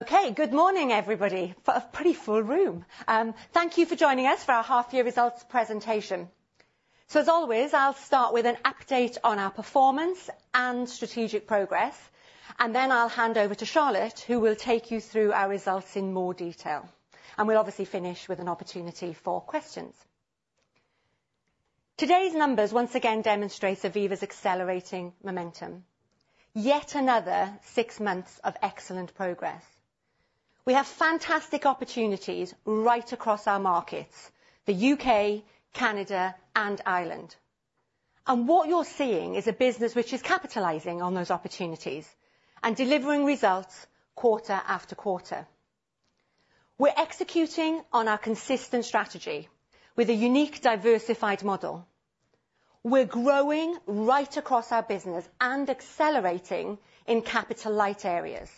Okay, good morning, everybody. A pretty full room. Thank you for joining us for our half year results presentation. So as always, I'll start with an update on our performance and strategic progress, and then I'll hand over to Charlotte, who will take you through our results in more detail. And we'll obviously finish with an opportunity for questions. Today's numbers once again demonstrate Aviva's accelerating momentum. Yet another six months of excellent progress. We have fantastic opportunities right across our markets, the UK, Canada, and Ireland. And what you're seeing is a business which is capitalizing on those opportunities and delivering results quarter after quarter. We're executing on our consistent strategy with a unique, diversified model. We're growing right across our business and accelerating in capital-light areas,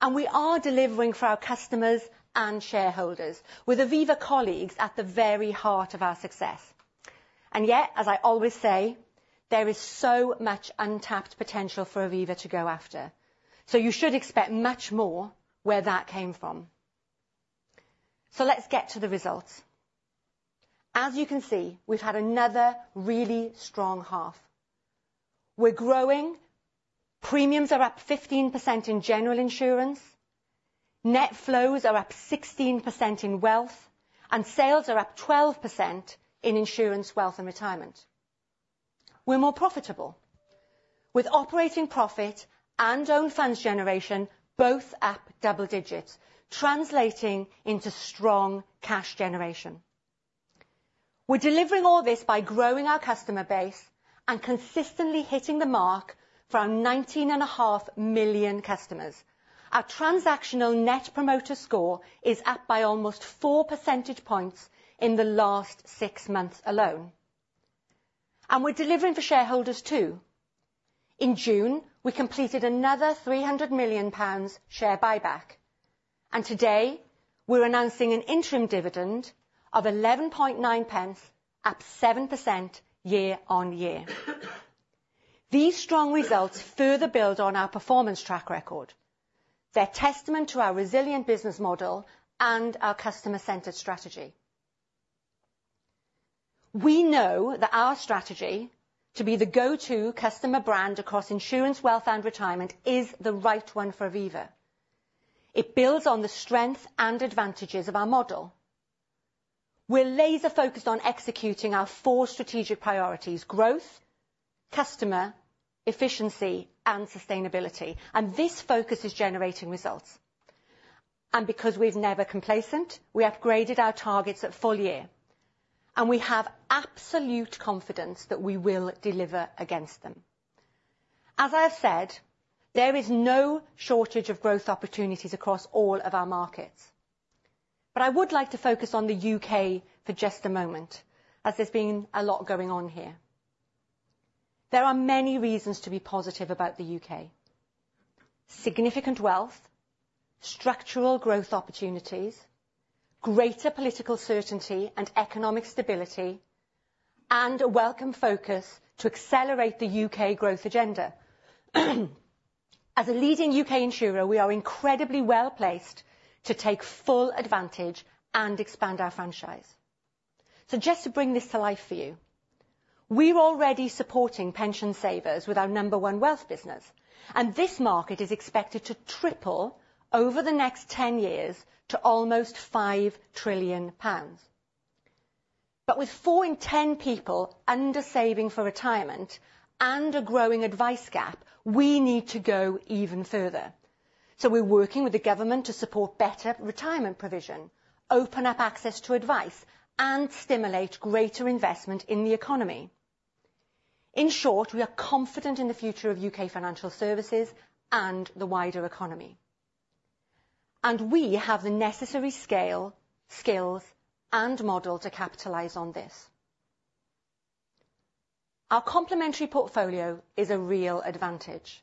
and we are delivering for our customers and shareholders, with Aviva colleagues at the very heart of our success. Yet, as I always say, there is so much untapped potential for Aviva to go after, so you should expect much more where that came from. Let's get to the results. As you can see, we've had another really strong half. We're growing. Premiums are up 15% in general insurance, net flows are up 16% in wealth, and sales are up 12% in insurance, wealth, and retirement. We're more profitable, with operating profit and own funds generation both up double digits, translating into strong cash generation. We're delivering all this by growing our customer base and consistently hitting the mark for our 19.5 million customers. Our transactional net promoter score is up by almost 4 percentage points in the last 6 months alone. We're delivering for shareholders, too. In June, we completed another 300 million pounds share buyback, and today, we're announcing an interim dividend of 0.119, up 7% year-on-year. These strong results further build on our performance track record. They're testament to our resilient business model and our customer-centered strategy. We know that our strategy to be the go-to customer brand across insurance, wealth, and retirement is the right one for Aviva. It builds on the strengths and advantages of our model. We're laser focused on executing our 4 strategic priorities: growth, customer, efficiency, and sustainability, and this focus is generating results. And because we're never complacent, we upgraded our targets at full year, and we have absolute confidence that we will deliver against them. As I've said, there is no shortage of growth opportunities across all of our markets. But I would like to focus on the UK for just a moment, as there's been a lot going on here. There are many reasons to be positive about the UK: significant wealth, structural growth opportunities, greater political certainty and economic stability, and a welcome focus to accelerate the UK growth agenda. As a leading UK insurer, we are incredibly well-placed to take full advantage and expand our franchise. Just to bring this to life for you, we're already supporting pension savers with our number one wealth business, and this market is expected to triple over the next 10 years to almost 5 trillion pounds. But with 4 in 10 people under-saving for retirement and a growing advice gap, we need to go even further. We're working with the government to support better retirement provision, open up access to advice, and stimulate greater investment in the economy. In short, we are confident in the future of UK financial services and the wider economy, and we have the necessary scale, skills, and model to capitalize on this. Our complementary portfolio is a real advantage.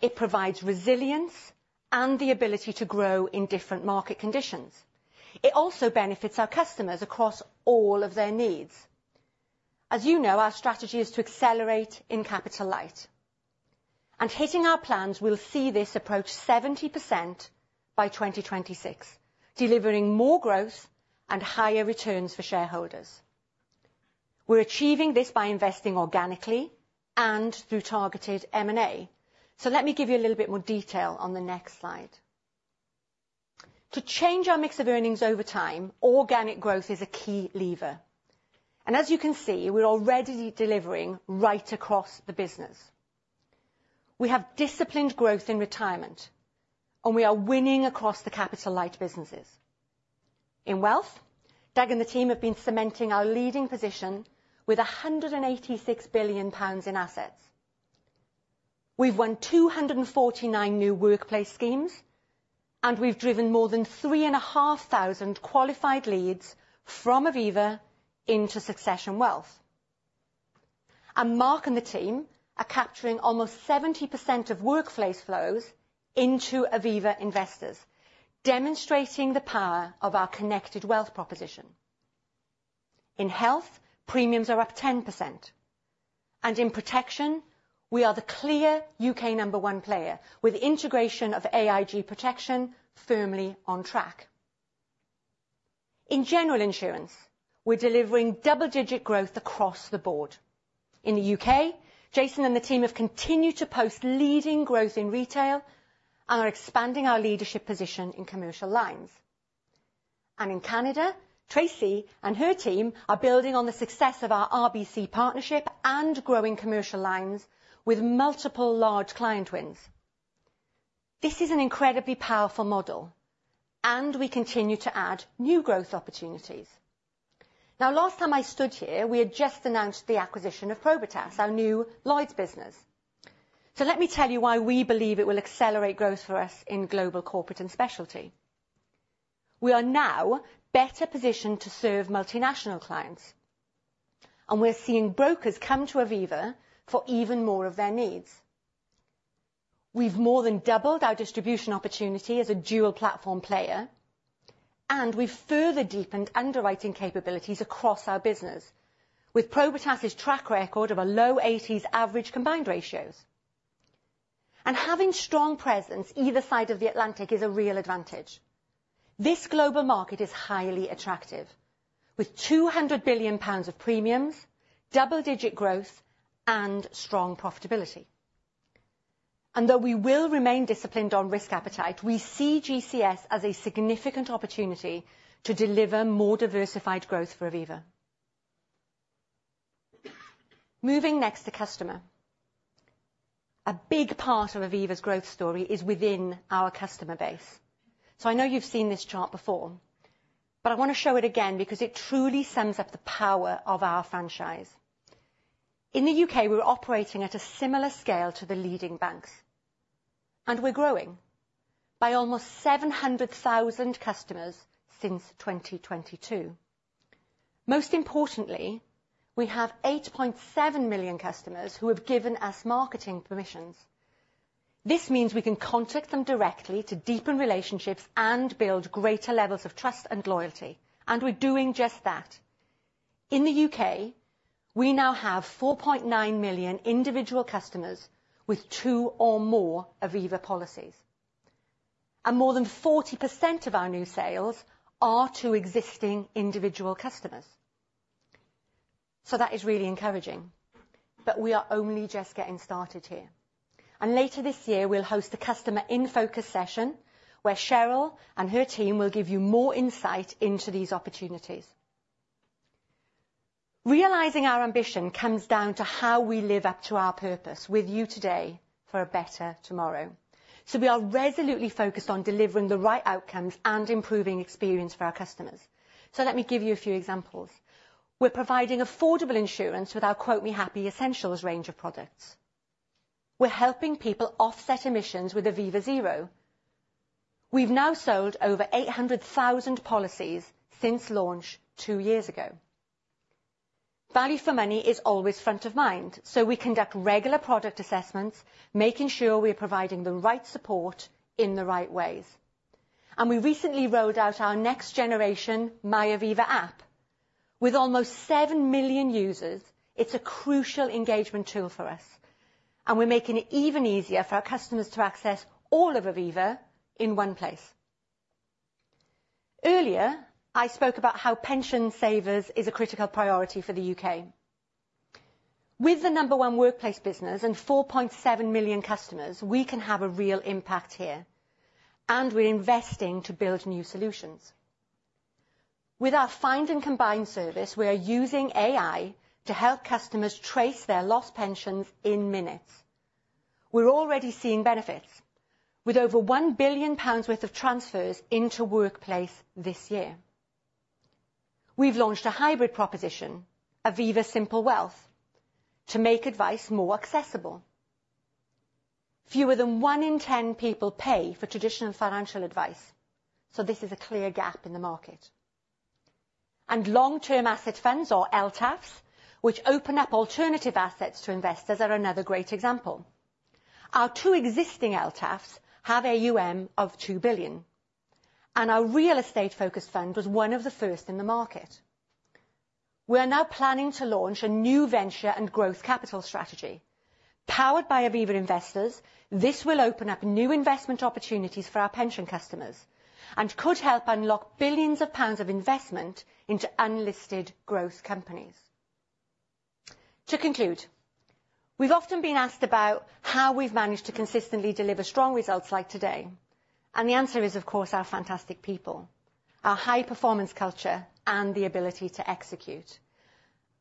It provides resilience and the ability to grow in different market conditions. It also benefits our customers across all of their needs. As you know, our strategy is to accelerate in capital light, and hitting our plans will see this approach 70% by 2026, delivering more growth and higher returns for shareholders. We're achieving this by investing organically and through targeted M&A. So let me give you a little bit more detail on the next slide. To change our mix of earnings over time, organic growth is a key lever, and as you can see, we're already delivering right across the business. We have disciplined growth in retirement, and we are winning across the capital-light businesses. In wealth, Doug and the team have been cementing our leading position with 186 billion pounds in assets. We've won 249 new workplace schemes, and we've driven more than 3,500 qualified leads from Aviva into Succession Wealth. Mark and the team are capturing almost 70% of workplace flows into Aviva Investors, demonstrating the power of our connected wealth proposition. In health, premiums are up 10%, and in protection, we are the clear UK number one player, with integration of AIG Protection firmly on track. In general insurance, we're delivering double-digit growth across the board. In the UK, Jason and the team have continued to post leading growth in retail, and are expanding our leadership position in commercial lines. And in Canada, Tracy and her team are building on the success of our RBC partnership and growing commercial lines with multiple large client wins. This is an incredibly powerful model, and we continue to add new growth opportunities. Now, last time I stood here, we had just announced the acquisition of Probitas, our new Lloyd's business. So let me tell you why we believe it will accelerate growth for us in global corporate and specialty. We are now better positioned to serve multinational clients, and we're seeing brokers come to Aviva for even more of their needs. We've more than doubled our distribution opportunity as a dual-platform player, and we've further deepened underwriting capabilities across our business, with Probitas's track record of a low eighties average combined ratios. And having strong presence either side of the Atlantic is a real advantage. This global market is highly attractive, with 200 billion pounds of premiums, double-digit growth, and strong profitability. And though we will remain disciplined on risk appetite, we see GCS as a significant opportunity to deliver more diversified growth for Aviva. Moving next to customer. A big part of Aviva's growth story is within our customer base. So I know you've seen this chart before, but I want to show it again because it truly sums up the power of our franchise. In the UK, we're operating at a similar scale to the leading banks, and we're growing by almost 700,000 customers since 2022. Most importantly, we have 8.7 million customers who have given us marketing permissions. This means we can contact them directly to deepen relationships and build greater levels of trust and loyalty, and we're doing just that. In the U.K., we now have 4.9 million individual customers with two or more Aviva policies, and more than 40% of our new sales are to existing individual customers. So that is really encouraging, but we are only just getting started here, and later this year, we'll host a customer in-focus session, where Cheryl and her team will give you more insight into these opportunities. Realizing our ambition comes down to how we live up to our purpose with you today for a better tomorrow. So we are resolutely focused on delivering the right outcomes and improving experience for our customers. So let me give you a few examples. We're providing affordable insurance with our Quote Me Happy Essentials range of products. We're helping people offset emissions with Aviva Zero. We've now sold over 800,000 policies since launch two years ago. Value for money is always front of mind, so we conduct regular product assessments, making sure we are providing the right support in the right ways. We recently rolled out our next generation, MyAviva app. With almost 7 million users, it's a crucial engagement tool for us, and we're making it even easier for our customers to access all of Aviva in one place. Earlier, I spoke about how pension savers is a critical priority for the U.K. With the number one workplace business and 4.7 million customers, we can have a real impact here, and we're investing to build new solutions. With our Find and Combine service, we are using AI to help customers trace their lost pensions in minutes. We're already seeing benefits, with over 1 billion pounds worth of transfers into workplace this year. We've launched a hybrid proposition, Aviva simple wealth, to make advice more accessible. Fewer than one in ten people pay for traditional financial advice, so this is a clear gap in the market. Long-term asset funds or LTAFs, which open up alternative assets to investors, are another great example. Our two existing LTAFs have AUM of 2 billion, and our real estate focused fund was one of the first in the market. We are now planning to launch a new venture and growth capital strategy. Powered by Aviva Investors, this will open up new investment opportunities for our pension customers and could help unlock billions of pounds of investment into unlisted growth companies. To conclude, we've often been asked about how we've managed to consistently deliver strong results like today, and the answer is, of course, our fantastic people, our high-performance culture, and the ability to execute.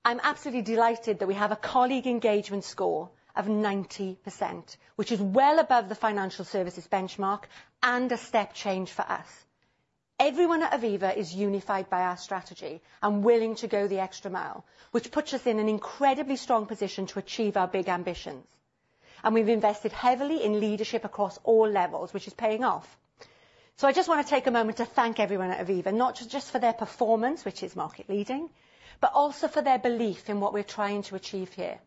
I'm absolutely delighted that we have a colleague engagement score of 90%, which is well above the financial services benchmark and a step change for us. Everyone at Aviva is unified by our strategy and willing to go the extra mile, which puts us in an incredibly strong position to achieve our big ambitions. And we've invested heavily in leadership across all levels, which is paying off. So I just want to take a moment to thank everyone at Aviva, not just for their performance, which is market leading, but also for their belief in what we're trying to achieve here...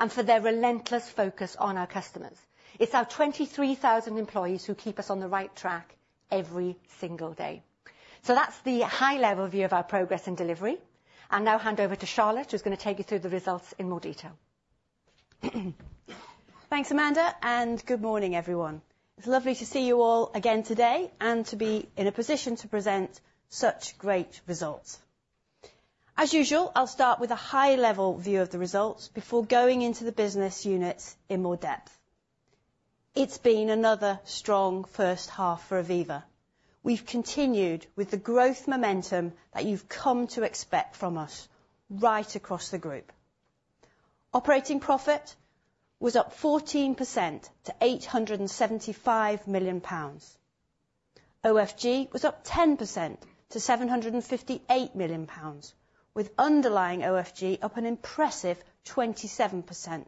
and for their relentless focus on our customers. It's our 23,000 employees who keep us on the right track every single day. So that's the high level view of our progress and delivery. I'll now hand over to Charlotte, who's gonna take you through the results in more detail. Thanks, Amanda, and good morning, everyone. It's lovely to see you all again today, and to be in a position to present such great results. As usual, I'll start with a high level view of the results before going into the business units in more depth. It's been another strong first half for Aviva. We've continued with the growth momentum that you've come to expect from us right across the group. Operating profit was up 14% to 875 million pounds. OFG was up 10% to 758 million pounds, with underlying OFG up an impressive 27%,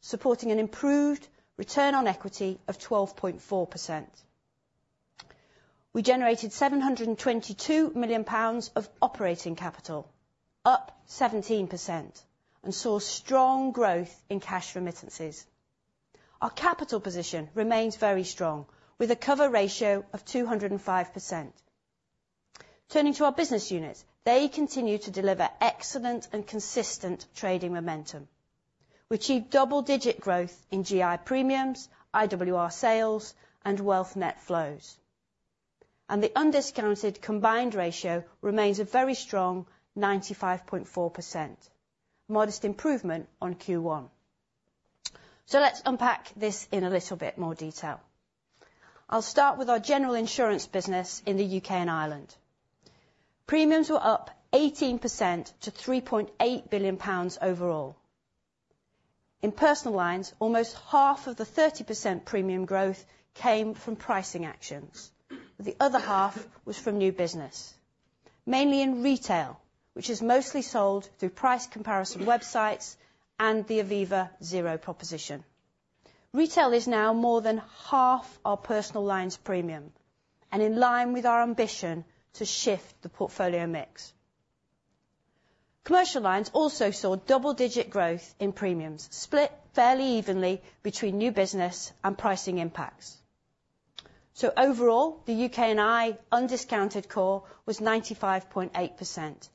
supporting an improved return on equity of 12.4%. We generated 722 million pounds of operating capital, up 17%, and saw strong growth in cash remittances. Our capital position remains very strong, with a cover ratio of 205%. Turning to our business units, they continue to deliver excellent and consistent trading momentum. We achieved double-digit growth in GI premiums, IWR sales, and wealth net flows. The undiscounted combined ratio remains a very strong 95.4%, modest improvement on Q1. Let's unpack this in a little bit more detail. I'll start with our general insurance business in the UK and Ireland. Premiums were up 18% to 3.8 billion pounds overall. In personal lines, almost half of the 30% premium growth came from pricing actions. The other half was from new business, mainly in retail, which is mostly sold through price comparison websites and the Aviva Zero proposition. Retail is now more than half our personal lines premium, and in line with our ambition to shift the portfolio mix. Commercial lines also saw double-digit growth in premiums, split fairly evenly between new business and pricing impacts. So overall, the UK and Ireland undiscounted COR was 95.8%,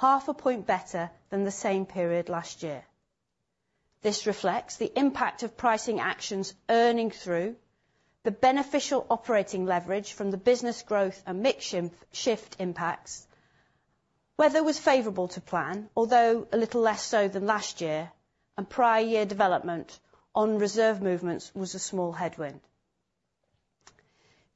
0.5 point better than the same period last year. This reflects the impact of pricing actions earning through the beneficial operating leverage from the business growth and mix shift impacts. Weather was favorable to plan, although a little less so than last year, and prior year development on reserve movements was a small headwind.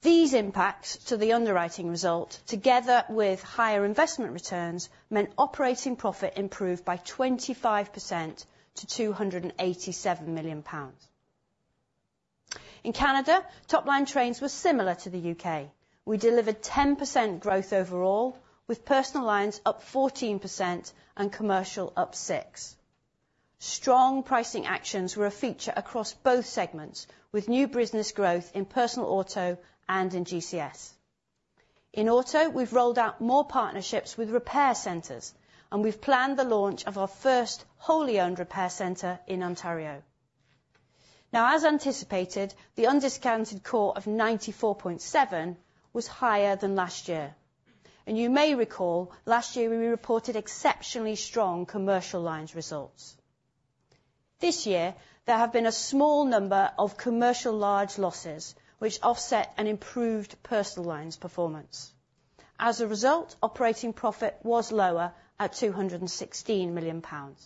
These impacts to the underwriting result, together with higher investment returns, meant operating profit improved by 25% to GBP 287 million. In Canada, top line trends were similar to the UK. We delivered 10% growth overall, with personal lines up 14% and commercial up 6%. Strong pricing actions were a feature across both segments, with new business growth in personal auto and in GCS. In auto, we've rolled out more partnerships with repair centers, and we've planned the launch of our first wholly owned repair center in Ontario. Now, as anticipated, the undiscounted core of 94.7 was higher than last year, and you may recall, last year, we reported exceptionally strong commercial lines results. This year, there have been a small number of commercial large losses, which offset an improved personal lines performance. As a result, operating profit was lower at 216 million pounds.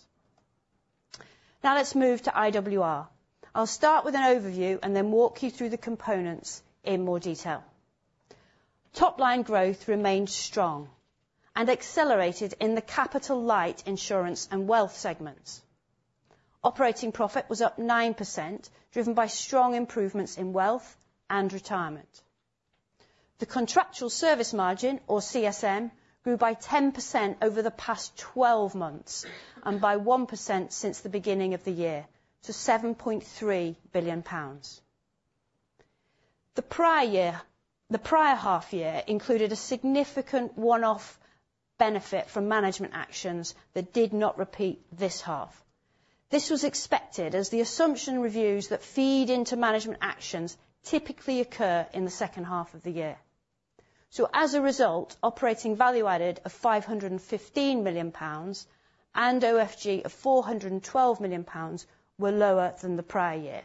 Now let's move to IWR. I'll start with an overview and then walk you through the components in more detail. Top line growth remained strong and accelerated in the capital-light insurance and wealth segments. Operating profit was up 9%, driven by strong improvements in wealth and retirement. The contractual service margin, or CSM, grew by 10% over the past 12 months, and by 1% since the beginning of the year, to 7.3 billion pounds. The prior half year included a significant one-off benefit from management actions that did not repeat this half. This was expected, as the assumption reviews that feed into management actions typically occur in the second half of the year. So as a result, operating value added of 515 million pounds and OFG of 412 million pounds were lower than the prior year.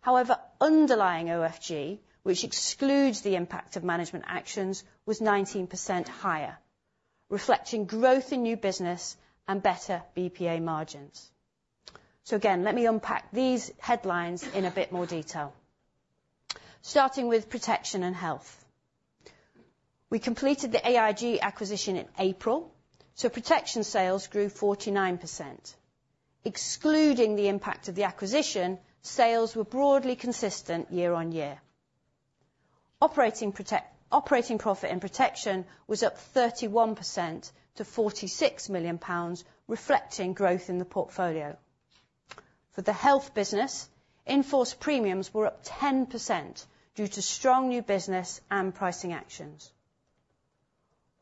However, underlying OFG, which excludes the impact of management actions, was 19% higher, reflecting growth in new business and better BPA margins. So again, let me unpack these headlines in a bit more detail. Starting with protection and health. We completed the AIG acquisition in April, so protection sales grew 49%. Excluding the impact of the acquisition, sales were broadly consistent year on year. Operating profit in protection was up 31% to 46 million pounds, reflecting growth in the portfolio. For the health business, in-force premiums were up 10% due to strong new business and pricing actions.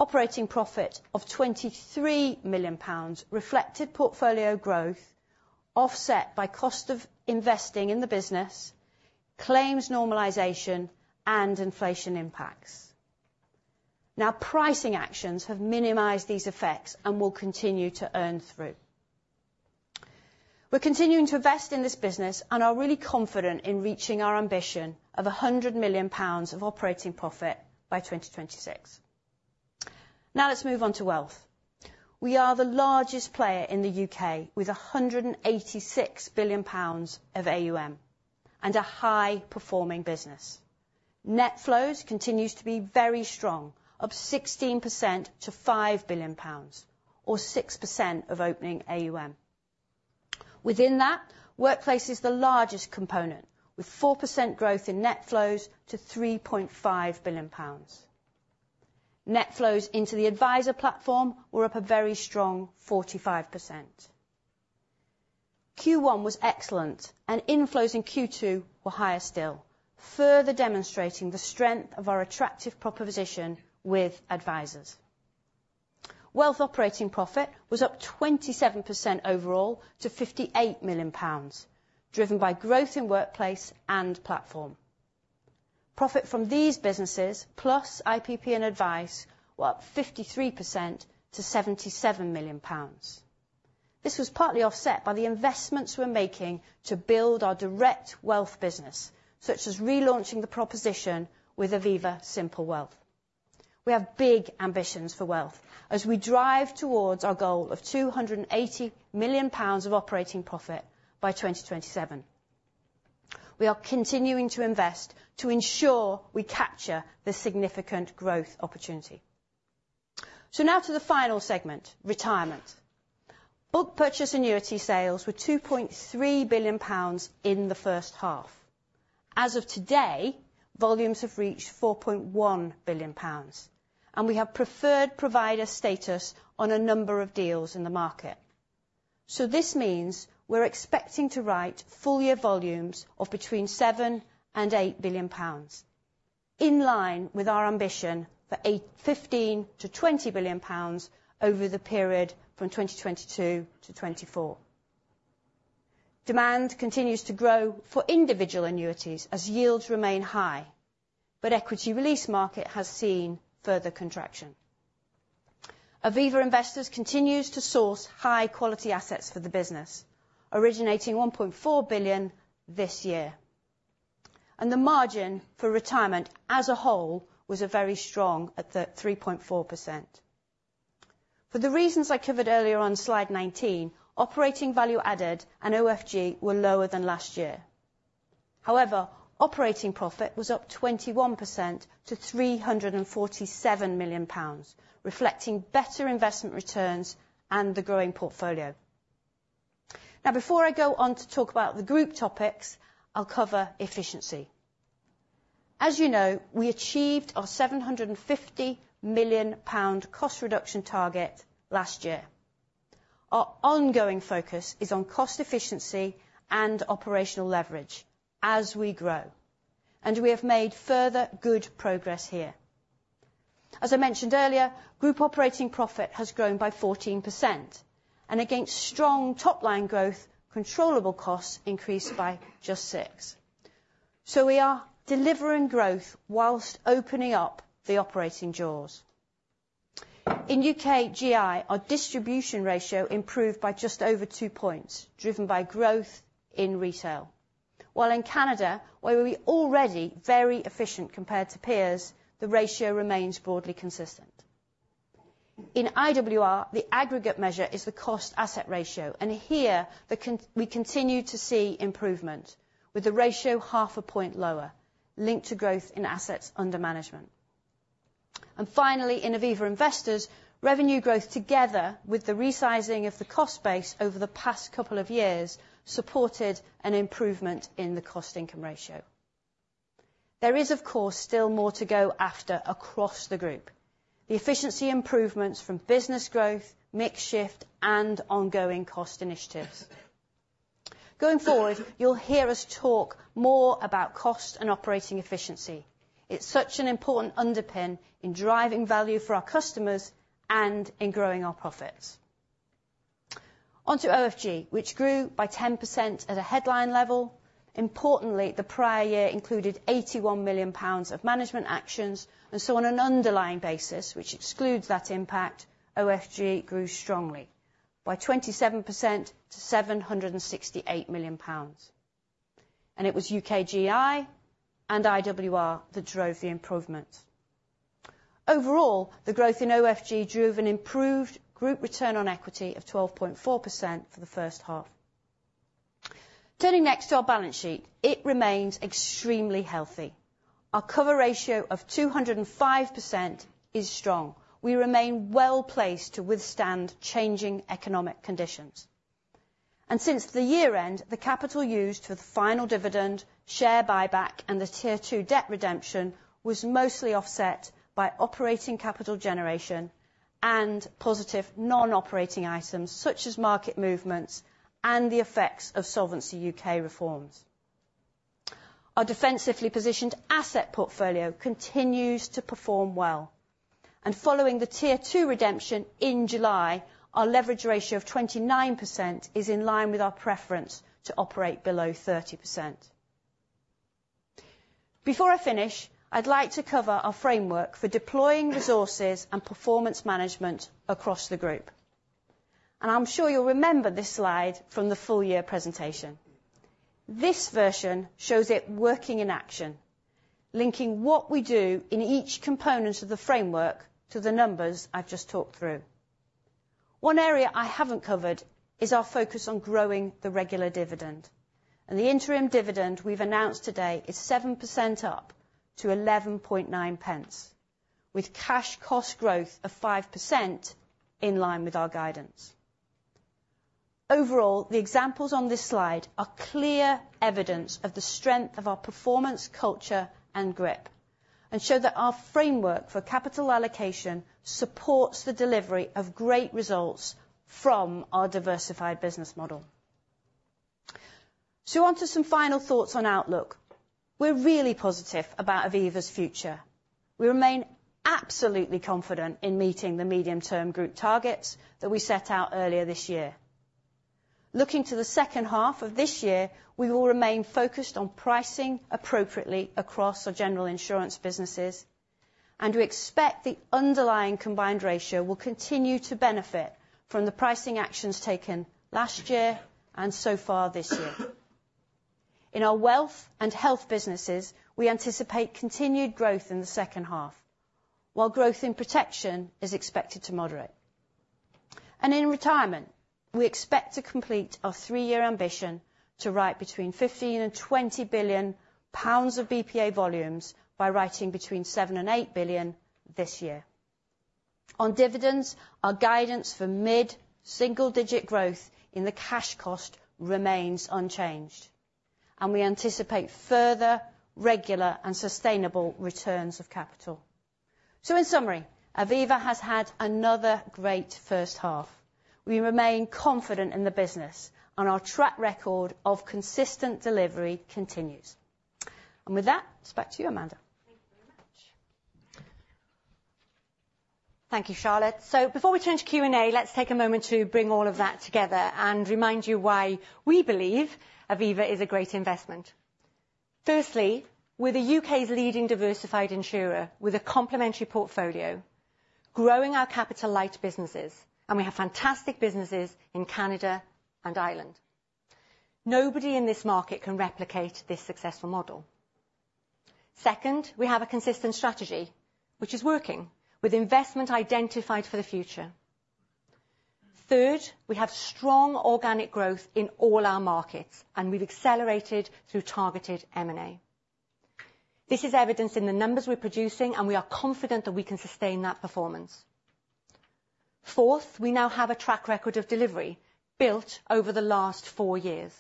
Operating profit of 23 million pounds reflected portfolio growth, offset by cost of investing in the business, claims normalization, and inflation impacts. Now, pricing actions have minimized these effects and will continue to earn through. We're continuing to invest in this business and are really confident in reaching our ambition of 100 million pounds of operating profit by 2026. Now let's move on to wealth. We are the largest player in the UK, with 186 billion pounds of AUM and a high-performing business. Net flows continues to be very strong, up 16% to 5 billion pounds, or 6% of opening AUM. Within that, workplace is the largest component, with 4% growth in net flows to 3.5 billion pounds. Net flows into the advisor platform were up a very strong 45%. Q1 was excellent, and inflows in Q2 were higher still, further demonstrating the strength of our attractive proposition with advisors. Wealth operating profit was up 27% overall to 58 million pounds, driven by growth in workplace and platform. Profit from these businesses, plus IPP and Advice, were up 53% to 77 million pounds. This was partly offset by the investments we're making to build our direct wealth business, such as relaunching the proposition with Aviva Simple Wealth. We have big ambitions for wealth as we drive towards our goal of 280 million pounds of operating profit by 2027. We are continuing to invest to ensure we capture the significant growth opportunity. So now to the final segment, retirement. Bulk purchase annuity sales were 2.3 billion pounds in the first half. As of today, volumes have reached 4.1 billion pounds, and we have preferred provider status on a number of deals in the market. So this means we're expecting to write full year volumes of between 7 billion and 8 billion pounds, in line with our ambition for 8-15 to 20 billion pounds over the period from 2022-2024. Demand continues to grow for individual annuities as yields remain high, but equity release market has seen further contraction. Aviva Investors continues to source high-quality assets for the business, originating 1.4 billion this year. And the margin for retirement as a whole was a very strong at the 3.4%. For the reasons I covered earlier on slide 19, operating value added and OFG were lower than last year. However, operating profit was up 21% to 347 million pounds, reflecting better investment returns and the growing portfolio. Now, before I go on to talk about the group topics, I'll cover efficiency. As you know, we achieved our 750 million pound cost reduction target last year. Our ongoing focus is on cost efficiency and operational leverage as we grow, and we have made further good progress here. As I mentioned earlier, group operating profit has grown by 14%, and against strong top-line growth, controllable costs increased by just 6%. So we are delivering growth while opening up the operating jaws. In UK GI, our distribution ratio improved by just over 2 points, driven by growth in retail. While in Canada, where we were already very efficient compared to peers, the ratio remains broadly consistent. In IWR, the aggregate measure is the cost asset ratio, and here, we continue to see improvement, with the ratio 0.5 point lower, linked to growth in assets under management. And finally, in Aviva Investors, revenue growth, together with the resizing of the cost base over the past couple of years, supported an improvement in the cost-income ratio. There is, of course, still more to go after across the group. The efficiency improvements from business growth, mix shift, and ongoing cost initiatives. Going forward, you'll hear us talk more about cost and operating efficiency. It's such an important underpin in driving value for our customers and in growing our profits. On to OFG, which grew by 10% at a headline level. Importantly, the prior year included 81 million pounds of management actions, and so on an underlying basis, which excludes that impact, OFG grew strongly by 27% to 768 million pounds. And it was UK GI and IWR that drove the improvement. Overall, the growth in OFG drove an improved group return on equity of 12.4% for the first half. Turning next to our balance sheet, it remains extremely healthy. Our cover ratio of 205% is strong. We remain well-placed to withstand changing economic conditions. And since the year-end, the capital used for the final dividend, share buyback, and the Tier 2 debt redemption was mostly offset by operating capital generation and positive non-operating items, such as market movements and the effects of Solvency UK reforms, our defensively positioned asset portfolio continues to perform well. And following the Tier 2 redemption in July, our leverage ratio of 29% is in line with our preference to operate below 30%. Before I finish, I'd like to cover our framework for deploying resources and performance management across the group. I'm sure you'll remember this slide from the full year presentation. This version shows it working in action, linking what we do in each component of the framework to the numbers I've just talked through. One area I haven't covered is our focus on growing the regular dividend, and the interim dividend we've announced today is 7% up to 11.9 pence, with cash cost growth of 5% in line with our guidance. Overall, the examples on this slide are clear evidence of the strength of our performance, culture and grip, and show that our framework for capital allocation supports the delivery of great results from our diversified business model. On to some final thoughts on outlook. We're really positive about Aviva's future. We remain absolutely confident in meeting the medium-term group targets that we set out earlier this year. Looking to the second half of this year, we will remain focused on pricing appropriately across our general insurance businesses, and we expect the underlying combined ratio will continue to benefit from the pricing actions taken last year and so far this year. In our wealth and health businesses, we anticipate continued growth in the second half, while growth in protection is expected to moderate. In retirement, we expect to complete our three-year ambition to write between 15 billion and 20 billion pounds of BPA volumes by writing between 7 billion and 8 billion this year. On dividends, our guidance for mid-single digit growth in the cash cost remains unchanged, and we anticipate further regular and sustainable returns of capital. In summary, Aviva has had another great first half. We remain confident in the business, and our track record of consistent delivery continues. With that, it's back to you, Amanda. Thank you very much. Thank you, Charlotte. So before we turn to Q&A, let's take a moment to bring all of that together and remind you why we believe Aviva is a great investment. Firstly, we're the UK's leading diversified insurer with a complementary portfolio, growing our capital-light businesses, and we have fantastic businesses in Canada and Ireland. Nobody in this market can replicate this successful model. Second, we have a consistent strategy which is working with investment identified for the future. Third, we have strong organic growth in all our markets, and we've accelerated through targeted M&A. This is evidenced in the numbers we're producing, and we are confident that we can sustain that performance. Fourth, we now have a track record of delivery built over the last four years.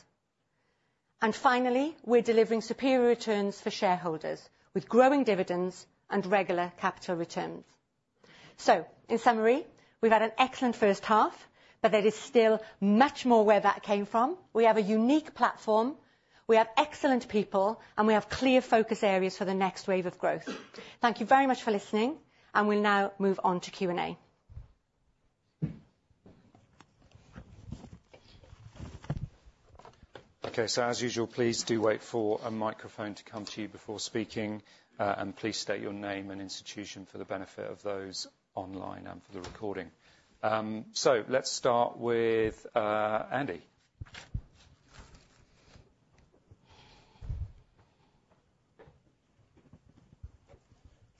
And finally, we're delivering superior returns for shareholders, with growing dividends and regular capital returns. In summary, we've had an excellent first half, but there is still much more where that came from. We have a unique platform, we have excellent people, and we have clear focus areas for the next wave of growth. Thank you very much for listening, and we'll now move on to Q&A. Okay, as usual, please do wait for a microphone to come to you before speaking, and please state your name and institution for the benefit of those online and for the recording. Let's start with Andy.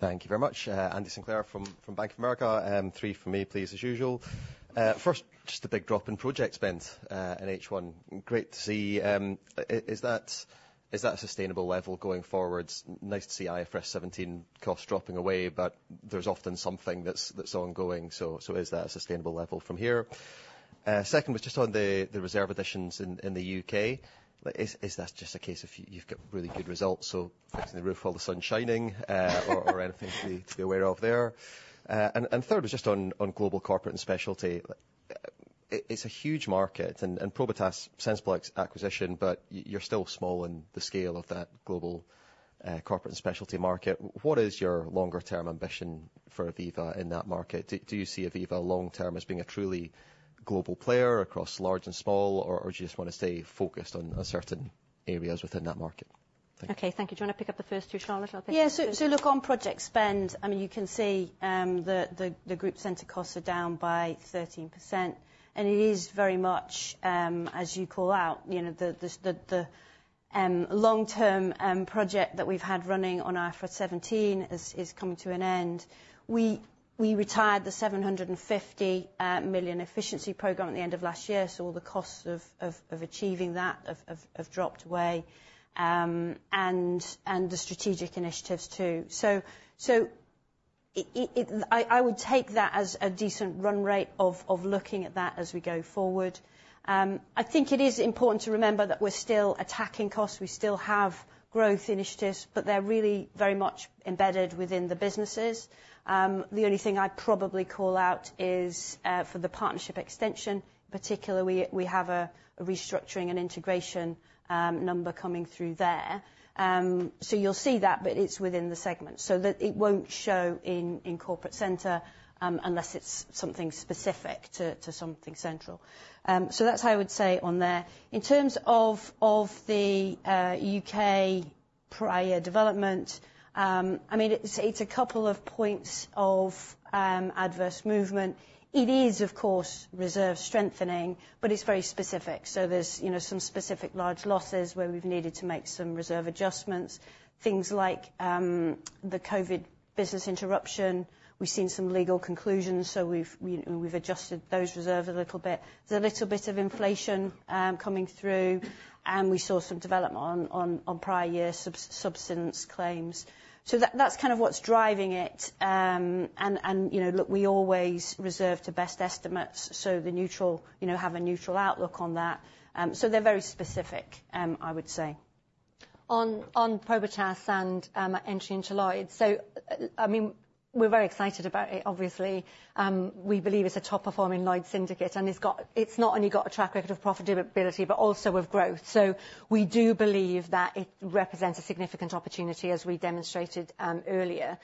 Thank you very much. Andy Sinclair from Bank of America. Three from me, please, as usual. First, just a big drop in project spend in H1. Great to see. Is that a sustainable level going forward? Nice to see IFRS 17 costs dropping away, but there's often something that's ongoing. So, is that a sustainable level from here? Second was just on the reserve additions in the UK. Is that just a case of you've got really good results, so fixing the roof while the sun's shining, or anything to be aware of there? And third was just on global corporate and specialty. It's a huge market, and Probitas, sensible acquisition, but you're still small in the scale of that global corporate and specialty market. What is your longer term ambition for Aviva in that market? Do you see Aviva long term as being a truly global player across large and small, or do you just want to stay focused on a certain areas within that market? Thank you. Okay, thank you. Do you want to pick up the first two, Charlotte? I think- Yeah. So look, on project spend, I mean, you can see, the group center costs are down by 13%, and it is very much, as you call out, you know, the long-term project that we've had running on IFRS 17 is coming to an end. We retired the 750 million efficiency program at the end of last year, so all the costs of achieving that have dropped away, and the strategic initiatives, too. So I would take that as a decent run rate of looking at that as we go forward. I think it is important to remember that we're still attacking costs. We still have growth initiatives, but they're really very much embedded within the businesses. The only thing I'd probably call out is, for the partnership extension, particularly, we have a restructuring and integration number coming through there. So you'll see that, but it's within the segment, so that it won't show in corporate center, unless it's something specific to something central. So that's how I would say on there. In terms of the U.K. prior development. I mean, it's a couple of points of adverse movement. It is, of course, reserve strengthening, but it's very specific. So there's, you know, some specific large losses where we've needed to make some reserve adjustments. Things like the COVID business interruption, we've seen some legal conclusions, so we've adjusted those reserves a little bit. There's a little bit of inflation coming through, and we saw some development on prior year subsidence claims. So that's kind of what's driving it. And, you know, look, we always reserve to best estimates, so the neutral, you know, have a neutral outlook on that. So they're very specific, I would say. On Probitas and entry into Lloyd's. So, I mean, we're very excited about it, obviously. We believe it's a top-performing Lloyd's syndicate, and it's not only got a track record of profitability, but also of growth. So we do believe that it represents a significant opportunity, as we demonstrated earlier.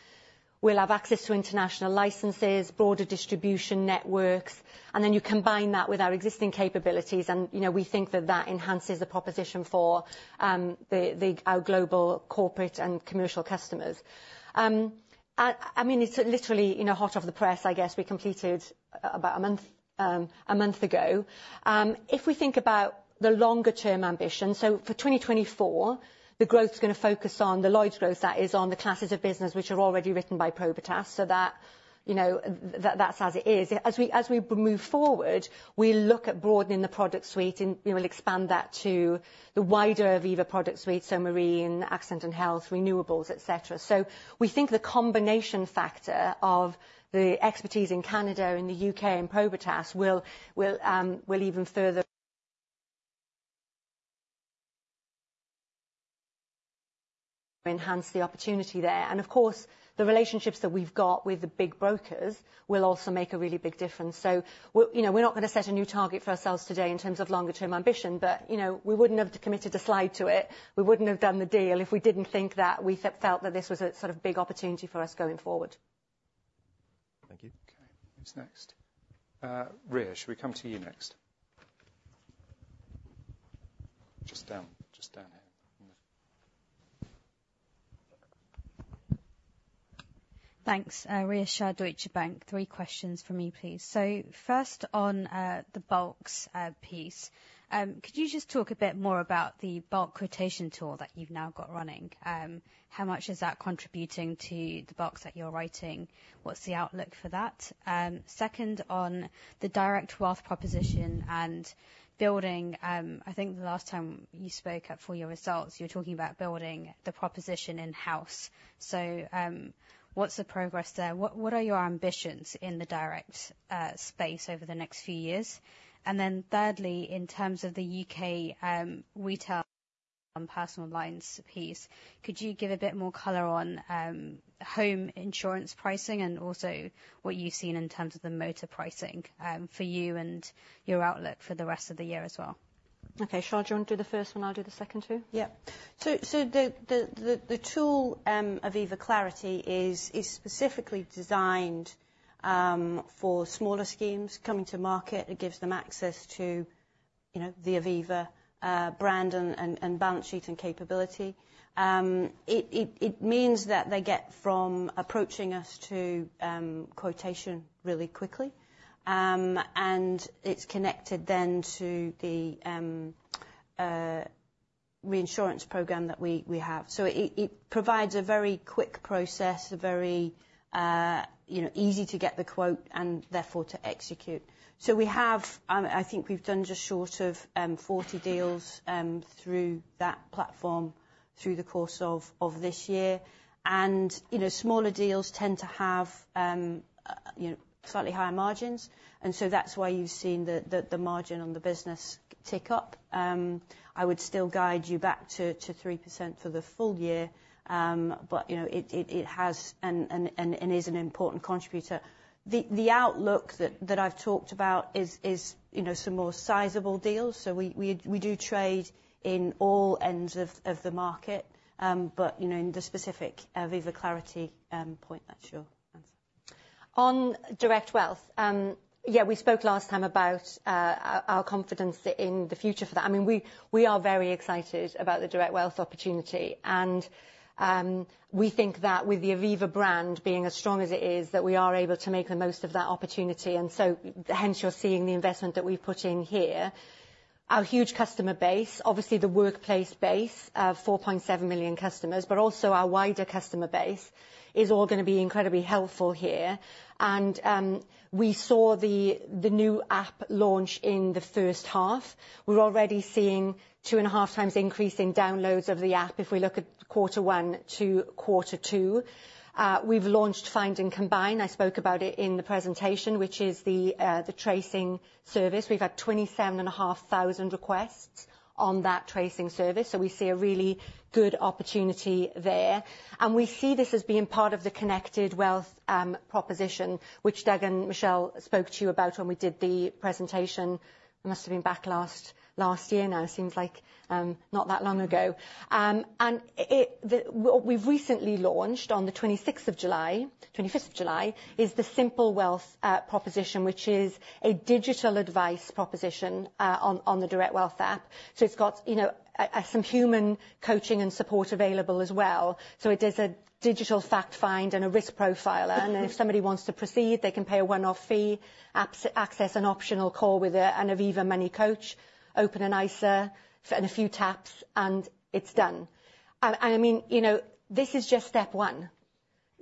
We'll have access to international licenses, broader distribution networks, and then you combine that with our existing capabilities, and, you know, we think that that enhances the proposition for our global corporate and commercial customers. I mean, it's literally, you know, hot off the press, I guess. We completed about a month ago. If we think about the longer term ambition, so for 2024, the growth is gonna focus on the Lloyd's growth, that is, on the classes of business, which are already written by Probitas. So that, you know, that, that's as it is. As we move forward, we look at broadening the product suite, and, you know, we'll expand that to the wider Aviva product suite, so marine, accident and health, renewables, et cetera. So we think the combination factor of the expertise in Canada and the U.K. and Probitas will even further enhance the opportunity there. And of course, the relationships that we've got with the big brokers will also make a really big difference. So, we're, you know, we're not gonna set a new target for ourselves today in terms of longer term ambition, but, you know, we wouldn't have committed a slide to it, we wouldn't have done the deal if we didn't think that we felt, felt that this was a sort of big opportunity for us going forward. Thank you. Okay, who's next? Ria, should we come to you next? Just down, just down here. Thanks. Ria Shah, Deutsche Bank. Three questions from me, please. So first on the bulks piece. Could you just talk a bit more about the bulk quotation tool that you've now got running? How much is that contributing to the bulks that you're writing? What's the outlook for that? Second, on the direct wealth proposition and building. I think the last time you spoke at full-year results, you were talking about building the proposition in-house. So, what's the progress there? What are your ambitions in the direct space over the next few years? And then thirdly, in terms of the UK, retail and personal lines piece, could you give a bit more color on, home insurance pricing and also what you've seen in terms of the motor pricing, for you and your outlook for the rest of the year as well? Okay, Charlotte, do you want to do the first one, I'll do the second two? Yeah. So the tool, Aviva clarity, is specifically designed for smaller schemes coming to market. It gives them access to, you know, the Aviva brand and balance sheet and capability. It means that they get from approaching us to quotation really quickly, and it's connected then to the reinsurance program that we have. So it provides a very quick process, a very, you know, easy to get the quote and therefore to execute. So we have, I think we've done just short of 40 deals through that platform through the course of this year. And, you know, smaller deals tend to have, you know, slightly higher margins, and so that's why you've seen the margin on the business tick up. I would still guide you back to 3% for the full year, but, you know, it has and is an important contributor. The outlook that I've talked about is, you know, some more sizable deals. So we do trade in all ends of the market, but, you know, in the specific Aviva Clarity point, that's your answer. On direct wealth, yeah, we spoke last time about our confidence in the future for that. I mean, we are very excited about the direct wealth opportunity, and we think that with the Aviva brand being as strong as it is, that we are able to make the most of that opportunity, and so hence you're seeing the investment that we've put in here. Our huge customer base, obviously the workplace base, 4.7 million customers, but also our wider customer base, is all gonna be incredibly helpful here. And we saw the new app launch in the first half. We're already seeing 2.5 times increase in downloads of the app if we look at quarter one to quarter two. We've launched Find and Combine, I spoke about it in the presentation, which is the tracing service. We've had 27,500 requests on that tracing service, so we see a really good opportunity there. And we see this as being part of the connected wealth proposition, which Doug and Michele spoke to you about when we did the presentation. It must have been back last, last year now. It seems like not that long ago. We've recently launched on the twenty-fifth of July the Simple Wealth proposition, which is a digital advice proposition on the Direct Wealth app. So it's got, you know, some human coaching and support available as well. So it does a digital fact find and a risk profiler, and then if somebody wants to proceed, they can pay a one-off fee, access an optional call with an Aviva money coach, open an ISA, in a few taps, and it's done. And I mean, you know, this is just step one...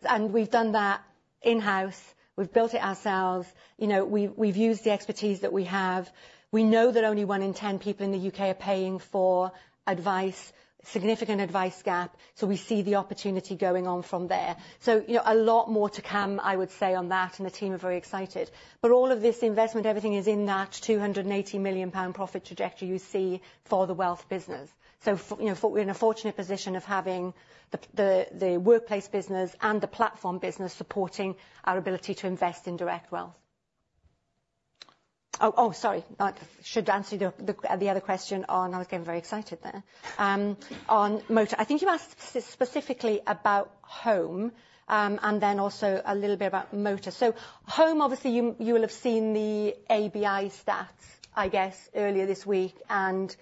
And we've done that in-house. We've built it ourselves. You know, we've used the expertise that we have. We know that only one in ten people in the UK are paying for advice, significant advice gap, so we see the opportunity going on from there. So, you know, a lot more to come, I would say, on that, and the team are very excited. But all of this investment, everything is in that 280 million pound profit trajectory you see for the wealth business. So, you know, we're in a fortunate position of having the workplace business and the platform business supporting our ability to invest in direct wealth. Oh, sorry, I should answer the other question on... I was getting very excited there. On motor. I think you asked specifically about home, and then also a little bit about motor. So home, obviously, you will have seen the ABI stats, I guess, earlier this week, and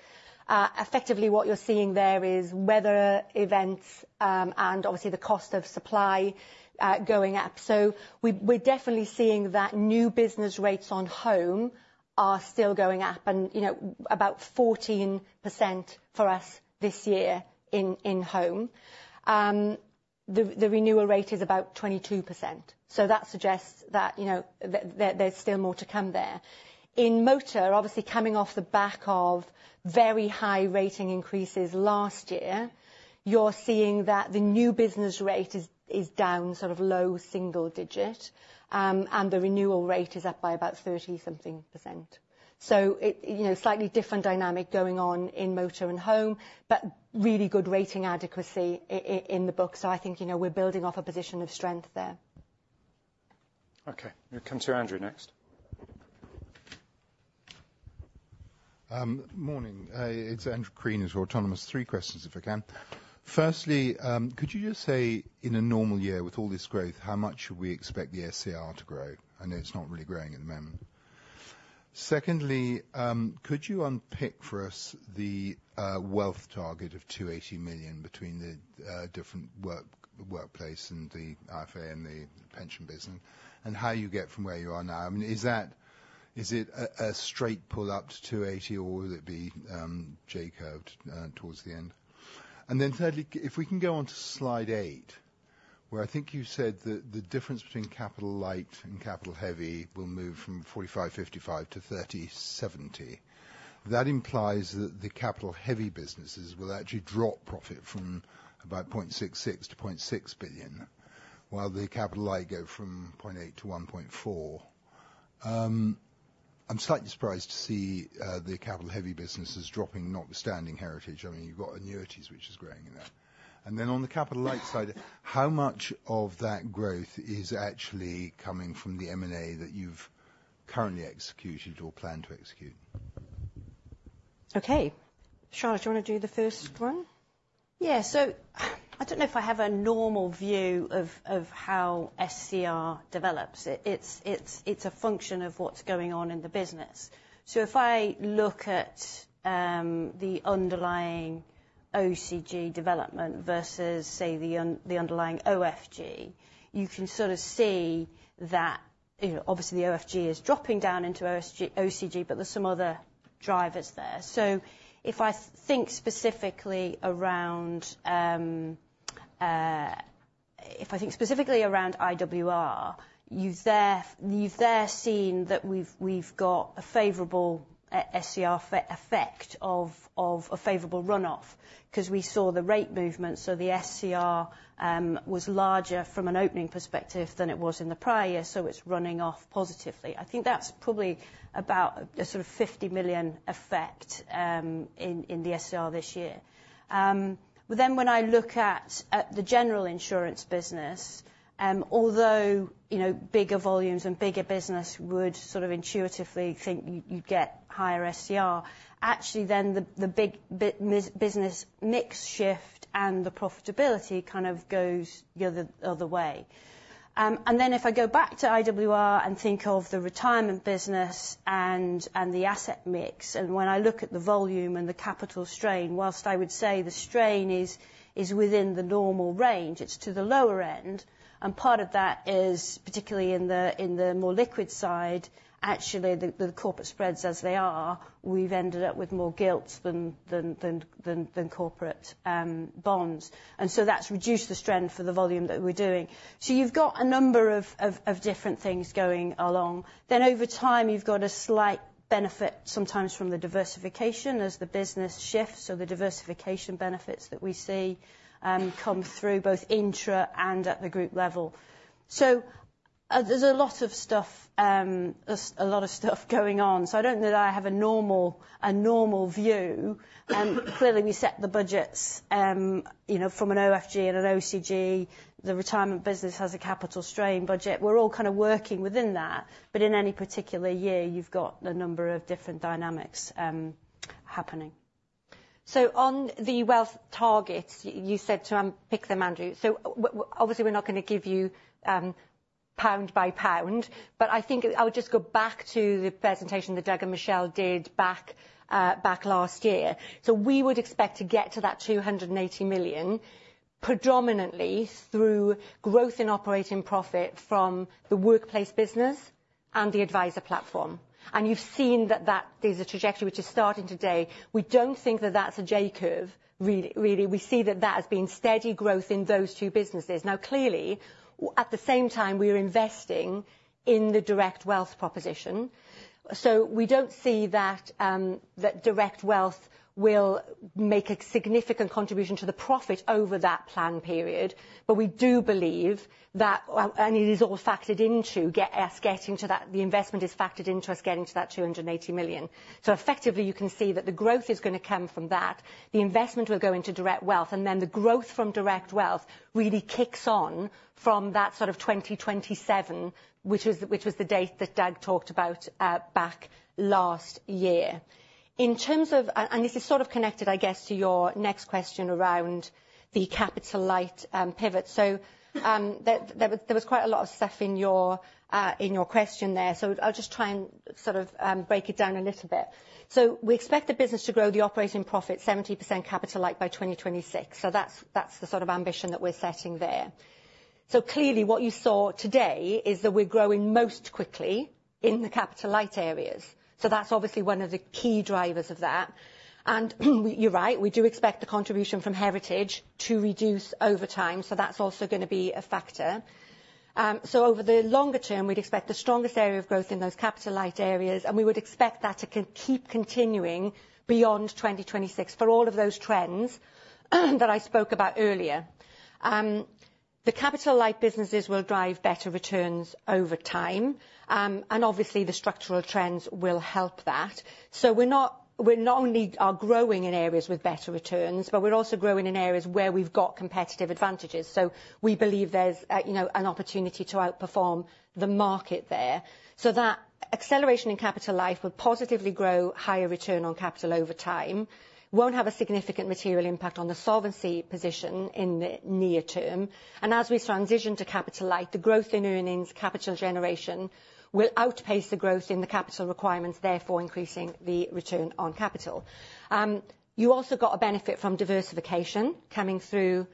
effectively, what you're seeing there is weather events, and obviously, the cost of supply going up. So we're definitely seeing that new business rates on home are still going up and, you know, about 14% for us this year in home. The renewal rate is about 22%, so that suggests that, you know, there's still more to come there. In motor, obviously, coming off the back of very high rating increases last year, you're seeing that the new business rate is down sort of low single digit, and the renewal rate is up by about thirty-something%. So it... You know, slightly different dynamic going on in motor and home, but really good rating adequacy in the book. So I think, you know, we're building off a position of strength there. Okay, we'll come to Andrew next. Morning. It's Andrew Crean with Autonomous. Three questions, if I can. Firstly, could you just say, in a normal year, with all this growth, how much should we expect the SCR to grow? I know it's not really growing at the moment. Secondly, could you unpick for us the wealth target of 280 million between the different work, workplace and the IFA and the pension business, and how you get from where you are now? I mean, is that a straight pull up to 280, or will it be J-curved towards the end? And then thirdly, if we can go on to slide eight, where I think you said that the difference between capital light and capital heavy will move from 45/55 to 30/70. That implies that the capital heavy businesses will actually drop profit from about 0.66 billion to 0.6 billion, while the capital light go from 0.8 billion to 1.4 billion. I'm slightly surprised to see the capital heavy businesses dropping, notwithstanding Heritage. I mean, you've got annuities, which is growing in that. And then on the capital light side, how much of that growth is actually coming from the M&A that you've currently executed or plan to execute? Okay. Charlotte, do you want to do the first one? Yeah, so I don't know if I have a normal view of how SCR develops. It's a function of what's going on in the business. So if I look at the underlying OCG development versus the underlying OFG, you can sort of see that, you know, obviously, the OFG is dropping down into OSG-OCG, but there's some other drivers there. So if I think specifically around IWR, you've seen that we've got a favorable SCR effect of a favorable runoff, 'cause we saw the rate movement, so the SCR was larger from an opening perspective than it was in the prior year, so it's running off positively. I think that's probably about a sort of 50 million effect in the SCR this year. But then when I look at the general insurance business, although, you know, bigger volumes and bigger business would sort of intuitively think you'd get higher SCR, actually, then the big business mix shift and the profitability kind of goes the other way. And then if I go back to IWR and think of the retirement business and the asset mix, and when I look at the volume and the capital strain, whilst I would say the strain is within the normal range, it's to the lower end, and part of that is particularly in the more liquid side, actually, the corporate spreads as they are, we've ended up with more gilts than corporate bonds. And so that's reduced the strain for the volume that we're doing. So you've got a number of different things going along. Then over time, you've got a slight benefit, sometimes from the diversification as the business shifts, so the diversification benefits that we see come through both intra and at the group level. So there's a lot of stuff going on, so I don't know that I have a normal view. Clearly, we set the budgets, you know, from an OFG and an OCG. The retirement business has a capital strain budget. We're all kind of working within that, but in any particular year, you've got a number of different dynamics happening. So on the wealth targets, you said to unpick them, Andrew. So obviously, we're not going to give you, pound by pound, but I think I would just go back to the presentation that Doug and Michele did back last year. So we would expect to get to that 280 million predominantly through growth in operating profit from the workplace business and the adviser platform. And you've seen that that is a trajectory which is starting today. We don't think that that's a J-curve, really, really. We see that that has been steady growth in those two businesses. Now, clearly, at the same time, we are investing in the direct wealth proposition. So we don't see that, that direct wealth will make a significant contribution to the profit over that plan period. But we do believe that—well, and it is all factored into us getting to that—the investment is factored into us getting to that 280 million. So effectively, you can see that the growth is gonna come from that. The investment will go into direct wealth, and then the growth from direct wealth really kicks on from that sort of 2027, which was the date that Doug talked about back last year. In terms of... And this is sort of connected, I guess, to your next question around the capital-light pivot. So, there was quite a lot of stuff in your question there, so I'll just try and sort of break it down a little bit. So we expect the business to grow the operating profit 70% capital-light by 2026. So that's, that's the sort of ambition that we're setting there. So clearly, what you saw today is that we're growing most quickly in the capital-light areas. So that's obviously one of the key drivers of that. And you're right, we do expect the contribution from Heritage to reduce over time, so that's also gonna be a factor. So over the longer term, we'd expect the strongest area of growth in those capital-light areas, and we would expect that to keep continuing beyond 2026 for all of those trends that I spoke about earlier. The capital-light businesses will drive better returns over time, and obviously, the structural trends will help that. So we not only are growing in areas with better returns, but we're also growing in areas where we've got competitive advantages. So we believe there's, you know, an opportunity to outperform the market there. So that acceleration in capital light will positively grow higher return on capital over time, won't have a significant material impact on the solvency position in the near term. And as we transition to capital light, the growth in earnings, capital generation, will outpace the growth in the capital requirements, therefore increasing the return on capital. You also got a benefit from diversification coming through,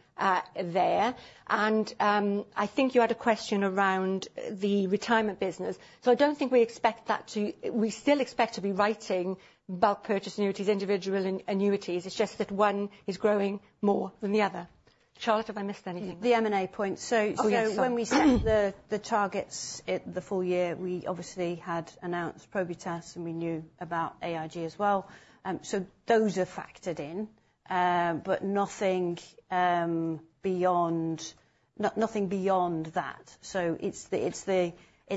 there. And, I think you had a question around the retirement business. So I don't think we expect that to. We still expect to be writing bulk purchase annuities, individual annuities. It's just that one is growing more than the other. Charlotte, have I missed anything? The M&A point. Oh, yes, sorry. So when we set the targets at the full year, we obviously had announced Probitas, and we knew about AIG as well. So those are factored in, but nothing beyond that. So it's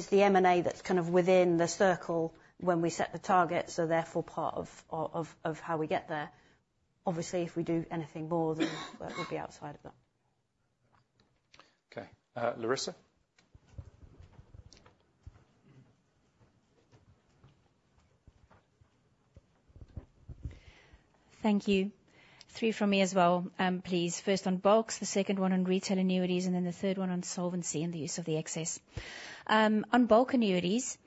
the M&A that's kind of within the circle when we set the targets, so therefore part of how we get there. Obviously, if we do anything more than that, it would be outside of that. Okay, Larissa? Thank you. 3 from me as well, please. First on bulks, the second one on retail annuities, and then the third one on solvency and the use of the excess. On bulk annuities,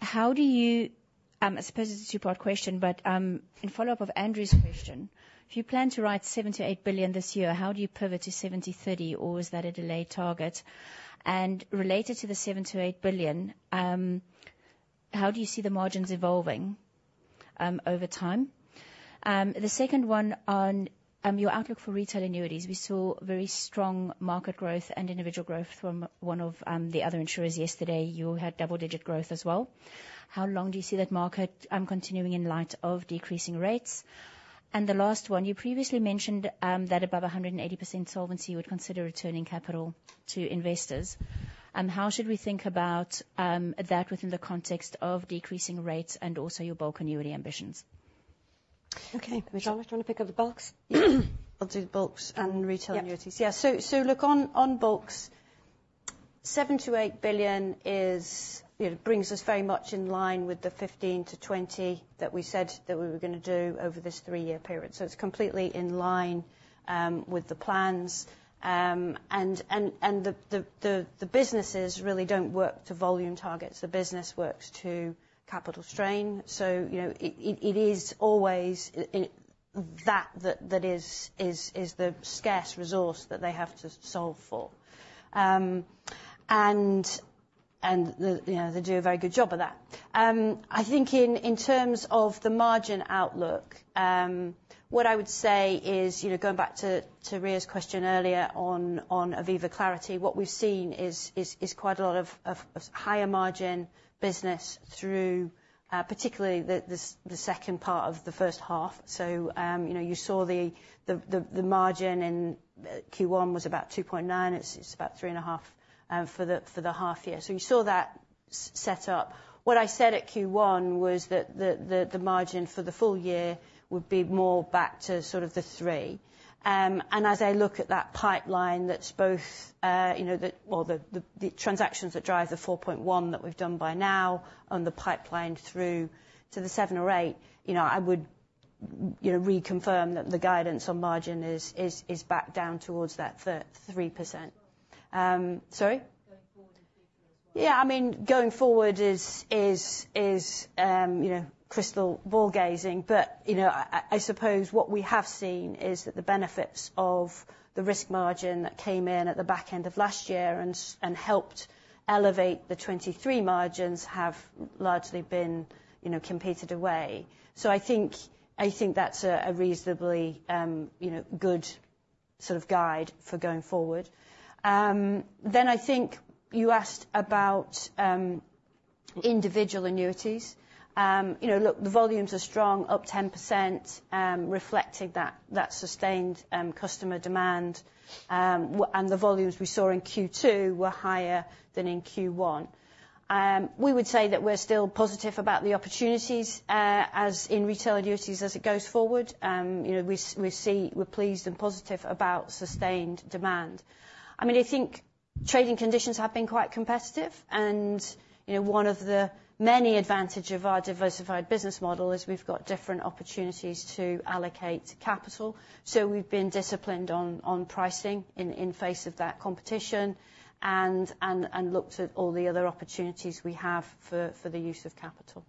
how do you... I suppose it's a two-part question, but, in follow-up of Andrew's question, if you plan to write 7 billion-8 billion this year, how do you pivot to 70/30, or is that a delayed target? And related to the 7 billion-8 billion, how do you see the margins evolving over time? The second one on your outlook for retail annuities. We saw very strong market growth and individual growth from one of the other insurers yesterday. You had double-digit growth as well. How long do you see that market continuing in light of decreasing rates? The last one, you previously mentioned that above 100% solvency, you would consider returning capital to investors. How should we think about that within the context of decreasing rates and also your bulk annuity ambitions? Okay. Charlotte, do you want to pick up the bulks? I'll do the bulks and retail annuities. Yeah. Yeah, so look, on bulks, 7 billion-8 billion is, you know, brings us very much in line with the 15-20 that we said that we were gonna do over this three-year period. So it's completely in line with the plans. And the businesses really don't work to volume targets. The business works to capital strain. So, you know, it is always that that is the scarce resource that they have to solve for. And, you know, they do a very good job of that. I think in terms of the margin outlook, what I would say is, you know, going back to Rhea's question earlier on Aviva Clarity, what we've seen is quite a lot of higher margin business through, particularly the second part of the first half. So, you know, you saw the margin in Q1 was about 2.9. It's about 3.5 for the half year. So you saw that set up. What I said at Q1 was that the margin for the full year would be more back to sort of the 3. And as I look at that pipeline, that's both, you know, the... Well, the transactions that drive the 4.1 that we've done by now on the pipeline through to the 7 or 8, you know, I would, you know, reconfirm that the guidance on margin is back down towards that 3%. Sorry?... Yeah, I mean, going forward is, you know, crystal ball gazing. But, you know, I suppose what we have seen is that the benefits of the risk margin that came in at the back end of last year and helped elevate the 2023 margins, have largely been, you know, competed away. So I think that's a reasonably, you know, good sort of guide for going forward. Then I think you asked about individual annuities. You know, look, the volumes are strong, up 10%, reflecting that sustained customer demand. And the volumes we saw in Q2 were higher than in Q1. We would say that we're still positive about the opportunities as in retail annuities as it goes forward. You know, we see... We're pleased and positive about sustained demand. I mean, I think trading conditions have been quite competitive, and, you know, one of the many advantage of our diversified business model is we've got different opportunities to allocate capital. So we've been disciplined on pricing in the face of that competition, and looked at all the other opportunities we have for the use of capital.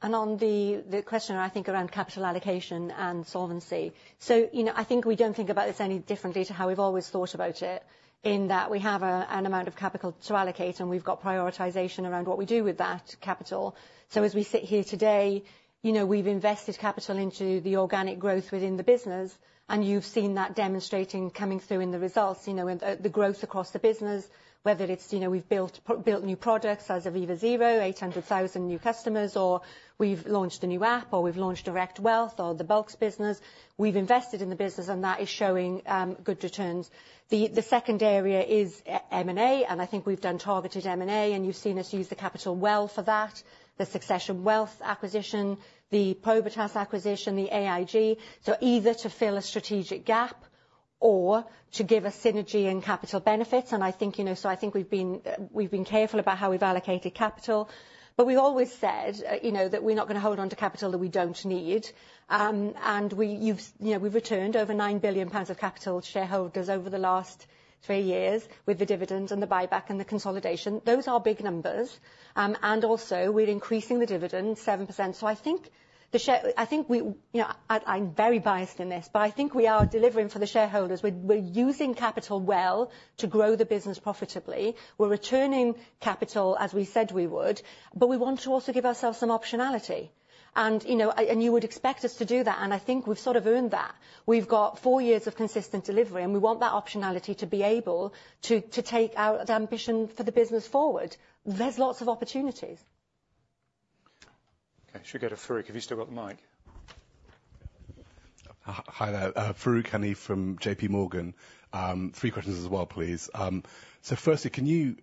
And on the question, I think, around capital allocation and solvency. So, you know, I think we don't think about this any differently to how we've always thought about it, in that we have an amount of capital to allocate, and we've got prioritization around what we do with that capital. So as we sit here today, you know, we've invested capital into the organic growth within the business, and you've seen that demonstrating coming through in the results, you know, in the, the growth across the business, whether it's, you know, we've built built new products as Aviva Zero, 800,000 new customers, or we've launched a new app, or we've launched Direct Wealth or the Bulks business. We've invested in the business, and that is showing good returns. The, the second area is M&A, and I think we've done targeted M&A, and you've seen us use the capital well for that. The Succession Wealth acquisition, the Probitas acquisition, the AIG. So either to fill a strategic gap or to give a synergy and capital benefits, and I think, you know. So I think we've been, we've been careful about how we've allocated capital. But we've always said, you know, that we're not gonna hold on to capital that we don't need. And we, you've, you know, we've returned over 9 billion pounds of capital to shareholders over the last three years with the dividends and the buyback and the consolidation. Those are big numbers. And also, we're increasing the dividend 7%. So I think the share- I think we, you know, I, I'm very biased in this, but I think we are delivering for the shareholders. We're, we're using capital well to grow the business profitably. We're returning capital, as we said we would, but we want to also give ourselves some optionality. And, you know, and you would expect us to do that, and I think we've sort of earned that. We've got four years of consistent delivery, and we want that optionality to be able to, to take our ambition for the business forward. There's lots of opportunities. Okay, should we go to Farouk, if you've still got the mic? Hi there, Farooq Hanif from J.P. Morgan. Three questions as well, please. So firstly, can you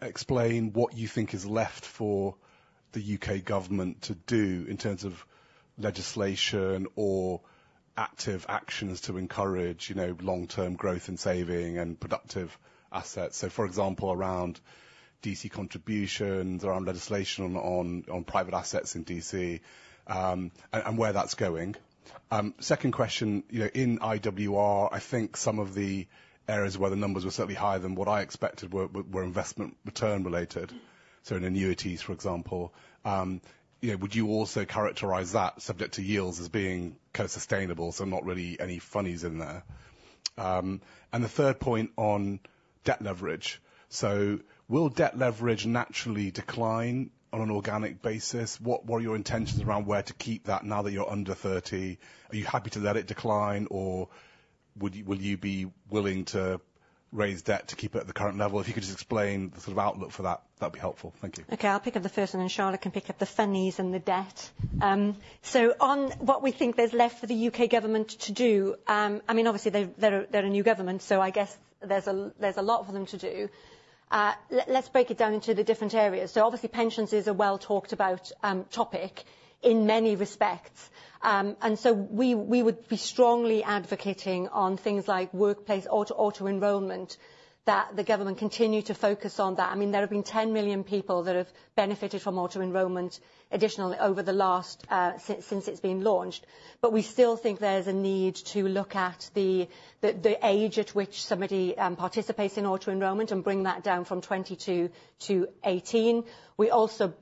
explain what you think is left for the UK government to do in terms of legislation or active actions to encourage, you know, long-term growth and saving and productive assets? So for example, around DC contributions, around legislation on private assets in DC, and where that's going. Second question, you know, in IWR, I think some of the areas where the numbers were certainly higher than what I expected were investment return related. So in annuities, for example. You know, would you also characterize that, subject to yields, as being kind of sustainable, so not really any funnies in there? And the third point on debt leverage. So will debt leverage naturally decline on an organic basis? What were your intentions around where to keep that now that you're under 30? Are you happy to let it decline, or would you, will you be willing to raise debt to keep it at the current level? If you could just explain the sort of outlook for that, that'd be helpful. Thank you. Okay, I'll pick up the first one, and then Charlotte can pick up the funnies and the debt. So on what we think there's left for the U.K. government to do, I mean, obviously, they're a new government, so I guess there's a lot for them to do. Let's break it down into the different areas. So obviously, pensions is a well-talked about topic in many respects. And so we would be strongly advocating on things like workplace auto-enrollment, that the government continue to focus on that. I mean, there have been 10 million people that have benefited from auto-enrollment additionally over the last since it's been launched. But we still think there's a need to look at the age at which somebody participates in auto-enrollment and bring that down from 22 to 18. We also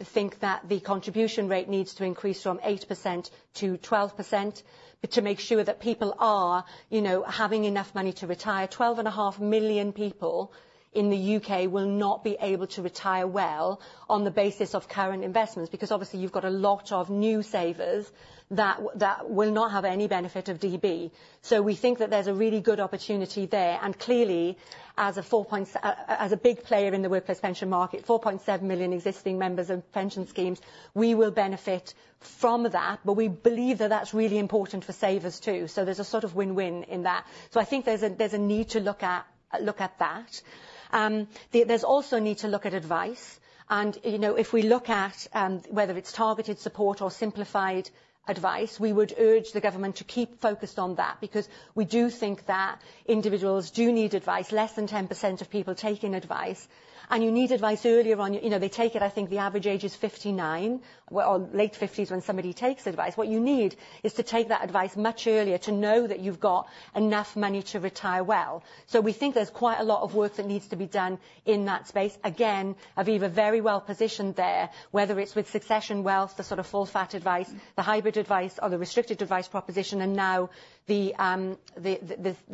think that the contribution rate needs to increase from 8% to 12%, but to make sure that people are, you know, having enough money to retire. 12.5 million people in the U.K. will not be able to retire well on the basis of current investments, because obviously, you've got a lot of new savers that will not have any benefit of DB. So we think that there's a really good opportunity there, and clearly, as a big player in the workplace pension market, 4.7 million existing members of pension schemes, we will benefit from that, but we believe that that's really important for savers, too. So there's a sort of win-win in that. So I think there's a need to look at that. There's also a need to look at advice. And, you know, if we look at whether it's targeted support or simplified advice, we would urge the government to keep focused on that, because we do think that individuals do need advice. Less than 10% of people are taking advice, and you need advice earlier on. You know, they take it. I think the average age is 59, or late 50s, when somebody takes advice. What you need is to take that advice much earlier, to know that you've got enough money to retire well. So we think there's quite a lot of work that needs to be done in that space. Again, Aviva are very well positioned there, whether it's with Succession Wealth, the sort of full-fat advice, the hybrid advice or the restricted advice proposition, and now the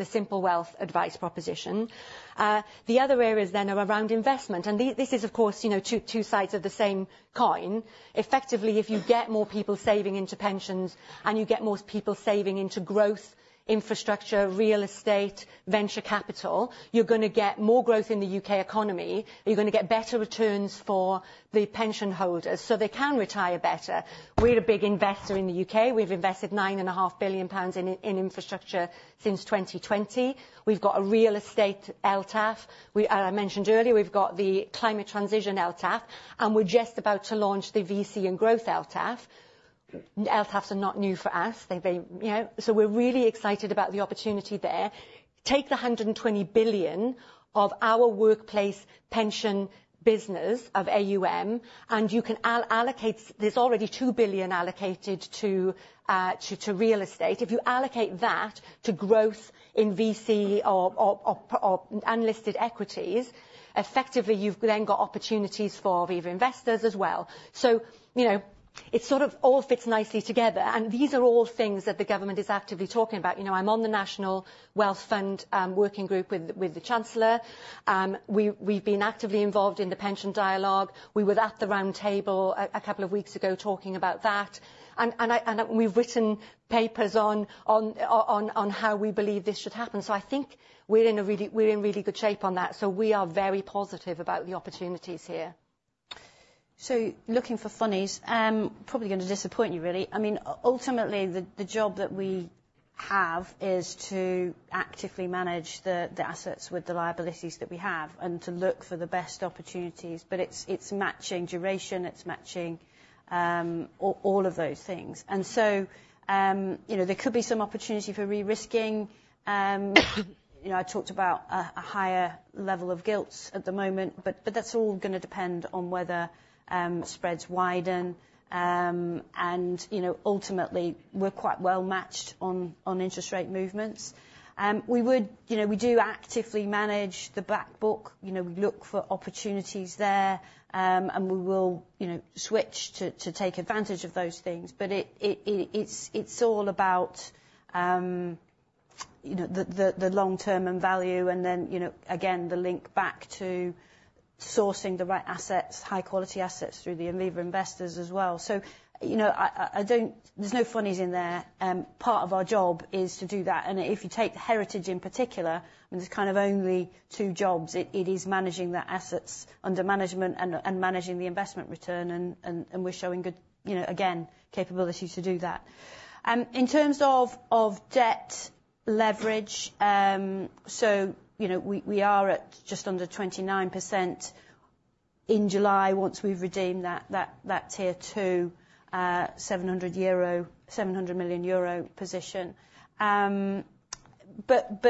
Simple Wealth advice proposition. The other areas then are around investment, and this is, of course, you know, two sides of the same coin. Effectively, if you get more people saving into pensions, and you get more people saving into growth, infrastructure, real estate, venture capital, you're gonna get more growth in the U.K. economy, you're gonna get better returns for the pension holders, so they can retire better. We're a big investor in the U.K. We've invested 9.5 billion pounds in infrastructure since 2020. We've got a real estate LTAF. And I mentioned earlier, we've got the climate transition LTAF, and we're just about to launch the VC and growth LTAF. LTAFs are not new for us. They, you know... So we're really excited about the opportunity there. Take the 120 billion of our workplace pension business of AUM, and you can allocate... There's already 2 billion allocated to real estate. If you allocate that to growth in VC or unlisted equities, effectively, you've then got opportunities for Aviva investors as well. So, you know, it sort of all fits nicely together, and these are all things that the government is actively talking about. You know, I'm on the National Wealth Fund working group with the Chancellor. We've been actively involved in the pension dialogue. We were at the round table a couple of weeks ago talking about that. And we've written papers on how we believe this should happen. So I think we're in really good shape on that, so we are very positive about the opportunities here. So looking for funnies, probably going to disappoint you, really. I mean, ultimately, the job that we have is to actively manage the assets with the liabilities that we have, and to look for the best opportunities, but it's matching duration, it's matching all of those things. And so, you know, there could be some opportunity for re-risking. You know, I talked about a higher level of gilts at the moment, but that's all gonna depend on whether spreads widen. And, you know, ultimately, we're quite well matched on interest rate movements. We would... You know, we do actively manage the back book. You know, we look for opportunities there. And we will, you know, switch to take advantage of those things. But it's all about, you know, the long term and value, and then, you know, again, the link back to sourcing the right assets, high quality assets, through the Aviva Investors as well. So, you know, I don't... There's no funnies in there. Part of our job is to do that, and if you take the heritage in particular, and there's kind of only two jobs, it is managing the assets under management and managing the investment return, and we're showing good, you know, again, capability to do that. In terms of debt leverage, so, you know, we are at just under 29% in July, once we've redeemed that Tier Two, EUR 700 million position. But...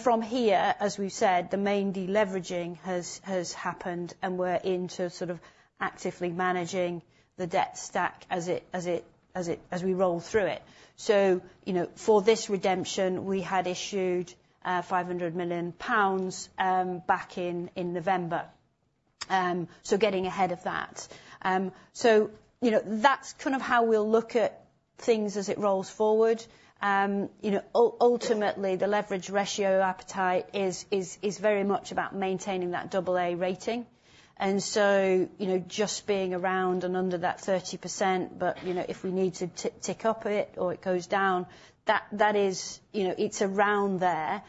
From here, as we've said, the main deleveraging has happened, and we're into sort of actively managing the debt stack as it as we roll through it. So, you know, for this redemption, we had issued 500 million pounds back in November. So getting ahead of that. You know, ultimately, the leverage ratio appetite is very much about maintaining that double A rating. And so, you know, just being around and under that 30%, but, you know, if we need to tick up it or it goes down, that is... You know, it's around there,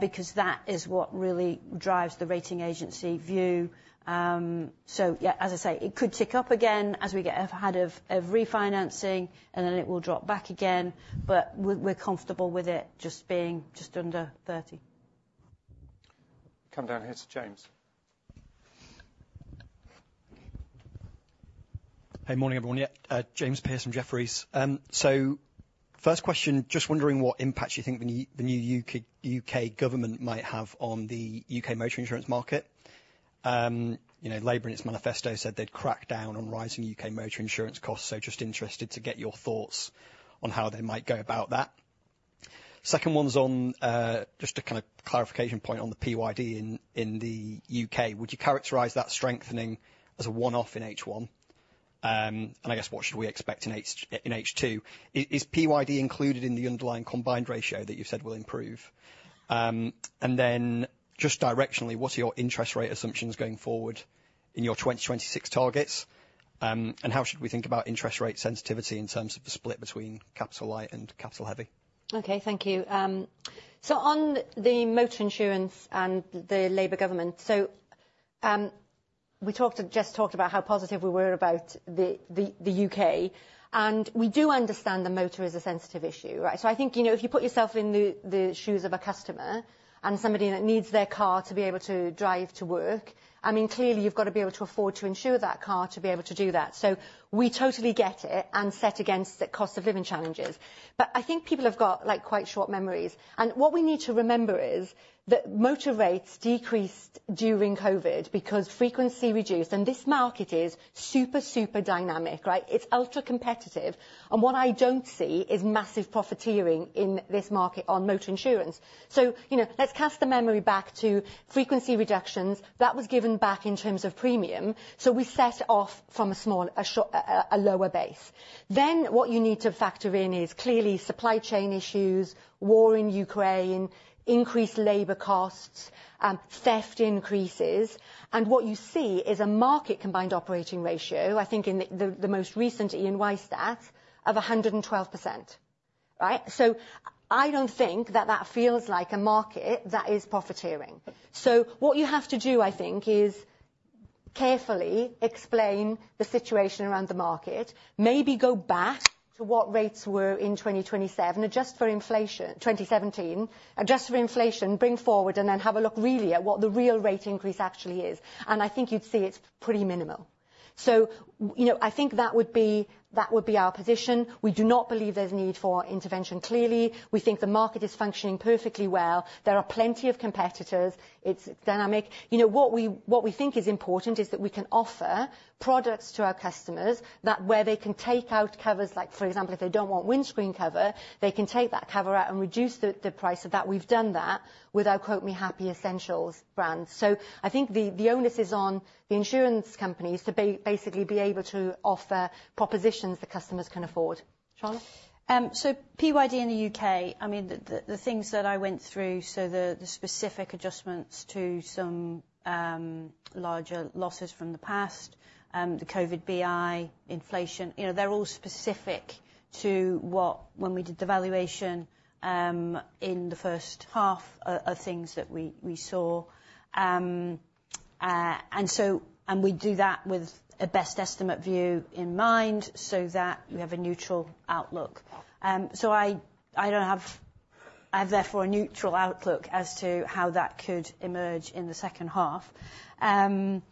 because that is what really drives the rating agency view. So yeah, as I say, it could tick up again as we get ahead of refinancing, and then it will drop back again, but we're comfortable with it just being just under 30. Come down here to James. Hey, morning, everyone. James Pearce from Jefferies. So first question, just wondering what impact you think the new U.K. government might have on the U.K. motor insurance market. You know, Labour in its manifesto said they'd crack down on rising U.K. motor insurance costs, so just interested to get your thoughts on how they might go about that. Second one's on just a kind of clarification point on the PYD in the U.K. Would you characterize that strengthening as a one-off in H1? And I guess what should we expect in H2? Is PYD included in the underlying combined ratio that you've said will improve? And then, just directionally, what are your interest rate assumptions going forward in your 2026 targets? How should we think about interest rate sensitivity in terms of the split between capital light and capital heavy? Okay, thank you. So on the motor insurance and the Labour government, so, we talked, just talked about how positive we were about the UK, and we do understand that motor is a sensitive issue, right? So I think, you know, if you put yourself in the shoes of a customer and somebody that needs their car to be able to drive to work, I mean, clearly, you've got to be able to afford to insure that car to be able to do that. So we totally get it and set against the cost of living challenges. But I think people have got, like, quite short memories, and what we need to remember is that motor rates decreased during COVID because frequency reduced, and this market is super, super dynamic, right? It's ultra-competitive, and what I don't see is massive profiteering in this market on motor insurance. So, you know, let's cast the memory back to frequency reductions. That was given back in terms of premium, so we set off from a smaller base. Then, what you need to factor in is clearly supply chain issues, war in Ukraine, increased labor costs, theft increases, and what you see is a market combined operating ratio, I think in the most recent EY stat, of 112%, right? So I don't think that that feels like a market that is profiteering. So what you have to do, I think, is-... Carefully explain the situation around the market, maybe go back to what rates were in 2027, adjust for inflation, 2017, adjust for inflation, bring forward, and then have a look really at what the real rate increase actually is, and I think you'd see it's pretty minimal. So, you know, I think that would be, that would be our position. We do not believe there's need for intervention. Clearly, we think the market is functioning perfectly well. There are plenty of competitors. It's dynamic. You know, what we, what we think is important is that we can offer products to our customers that where they can take out covers, like, for example, if they don't want windscreen cover, they can take that cover out and reduce the, the price of that. We've done that with our Quote Me Happy Essentials brand. I think the onus is on the insurance companies to basically be able to offer propositions that customers can afford, Charlotte? So PYD in the UK, I mean, the things that I went through, so the specific adjustments to some larger losses from the past, the COVID BI, inflation, you know, they're all specific to what... when we did the valuation in the first half of things that we saw. And we do that with a best estimate view in mind, so that we have a neutral outlook. So I don't have- I have therefore a neutral outlook as to how that could emerge in the second half. And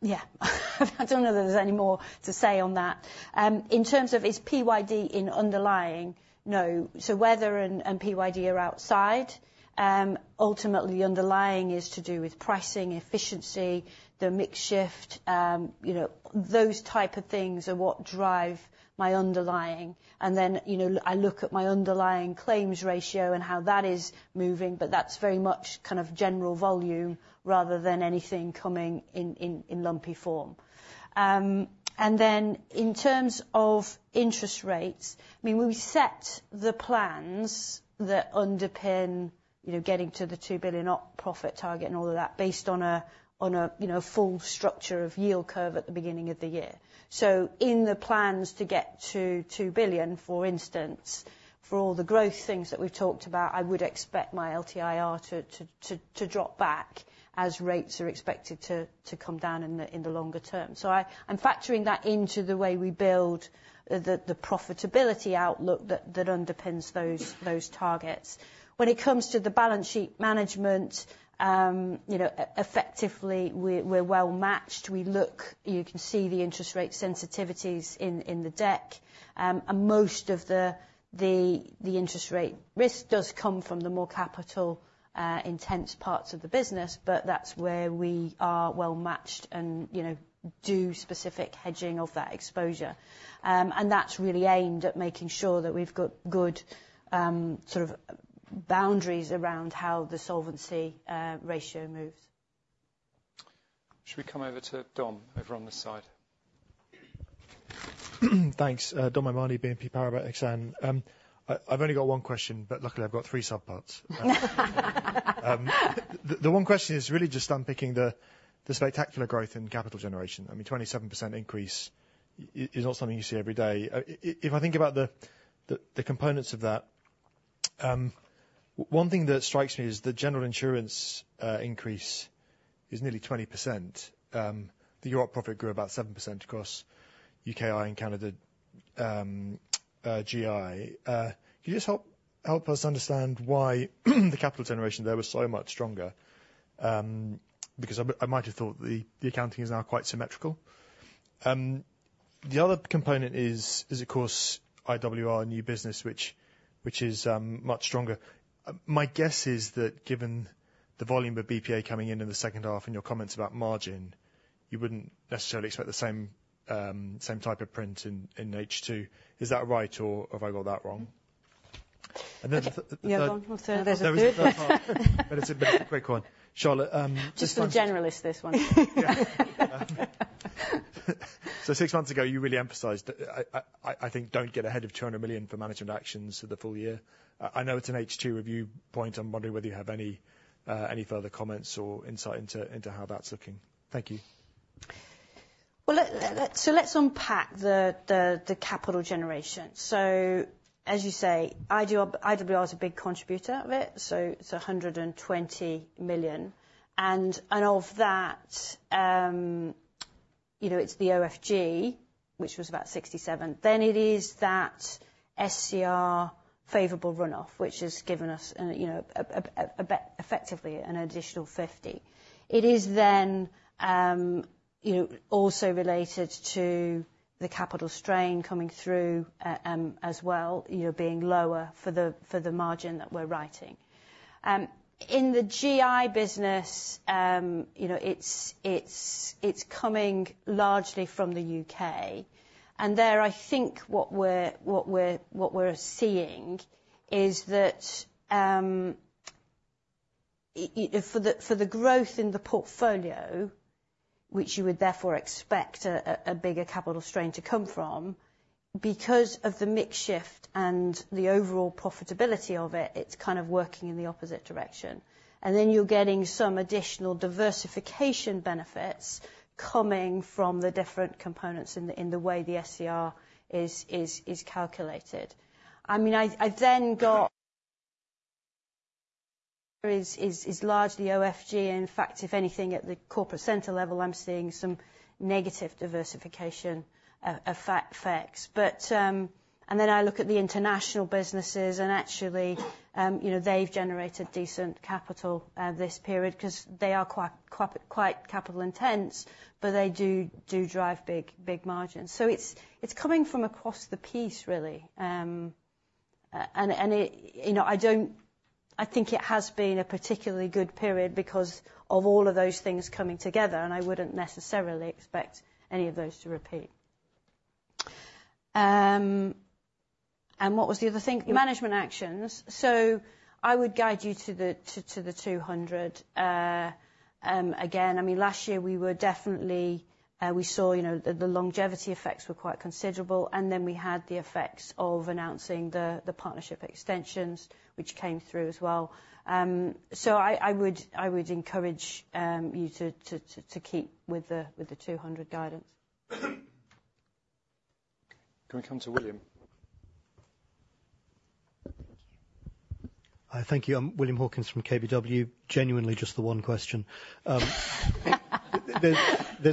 yeah, I don't know that there's any more to say on that. In terms of is PYD in underlying? No. So weather and PYD are outside. Ultimately, underlying is to do with pricing, efficiency, the mix shift, you know, those type of things are what drive my underlying. And then, you know, I look at my underlying claims ratio and how that is moving, but that's very much kind of general volume rather than anything coming in lumpy form. And then in terms of interest rates, I mean, when we set the plans that underpin, you know, getting to the 2 billion op profit target and all of that, based on a, on a, you know, full structure of yield curve at the beginning of the year. So in the plans to get to 2 billion, for instance, for all the growth things that we've talked about, I would expect my LTIR to drop back as rates are expected to come down in the longer term. So I'm factoring that into the way we build the profitability outlook that underpins those targets. When it comes to the balance sheet management, you know, effectively, we're well matched. You can see the interest rate sensitivities in the deck. And most of the interest rate risk does come from the more capital intense parts of the business, but that's where we are well matched and, you know, do specific hedging of that exposure. That's really aimed at making sure that we've got good, sort of boundaries around how the solvency ratio moves. Should we come over to Dom, over on this side? Thanks. Dominic O'Mahony, BNP Paribas Exane. I've only got one question, but luckily, I've got three subparts. The one question is really just unpicking the spectacular growth in capital generation. I mean, 27% increase is not something you see every day. If I think about the components of that, one thing that strikes me is the general insurance increase is nearly 20%. The Europe profit grew about 7% across UKI and Canada, GI. Can you just help us understand why the capital generation there was so much stronger? Because I might have thought the accounting is now quite symmetrical. The other component is, of course, IWR new business, which is much stronger. My guess is that given the volume of BPA coming in, in the second half and your comments about margin, you wouldn't necessarily expect the same, same type of print in H2. Is that right, or have I got that wrong? And then the third- The other one, alternative two. It's a quick one. Charlotte, six months- Just a generalist, this one. Yeah. So six months ago, you really emphasized that I think don't get ahead of 200 million for management actions for the full year. I know it's an H2 review point. I'm wondering whether you have any, any further comments or insight into how that's looking. Thank you. Well, so let's unpack the capital generation. So as you say, IDR- IWR is a big contributor of it, so it's 120 million. And of that, you know, it's the OFG, which was about 67 million. Then it is that SCR favorable run-off, which has given us, you know, effectively an additional 50 million. It is then, you know, also related to the capital strain coming through, as well, you know, being lower for the margin that we're writing. In the GI business, you know, it's coming largely from the UK. There, I think what we're seeing is that, for the growth in the portfolio, which you would therefore expect a bigger capital strain to come from, because of the mix shift and the overall profitability of it, it's kind of working in the opposite direction. And then you're getting some additional diversification benefits coming from the different components in the way the SCR is calculated. I mean, I then got is largely OFG. In fact, if anything, at the corporate center level, I'm seeing some negative diversification effects. And then I look at the international businesses, and actually, you know, they've generated decent capital this period, 'cause they are quite capital intense, but they do drive big, big margins. So it's coming from across the piece, really. And it, you know, I don't think it has been a particularly good period because of all of those things coming together, and I wouldn't necessarily expect any of those to repeat. And what was the other thing? Management actions. So I would guide you to the 200. Again, I mean, last year, we were definitely... we saw, you know, the longevity effects were quite considerable, and then we had the effects of announcing the partnership extensions, which came through as well. So I would encourage you to keep with the 200 guidance. Can we come to William? Hi. Thank you. I'm William Hawkins from KBW. Genuinely, just the one question. There's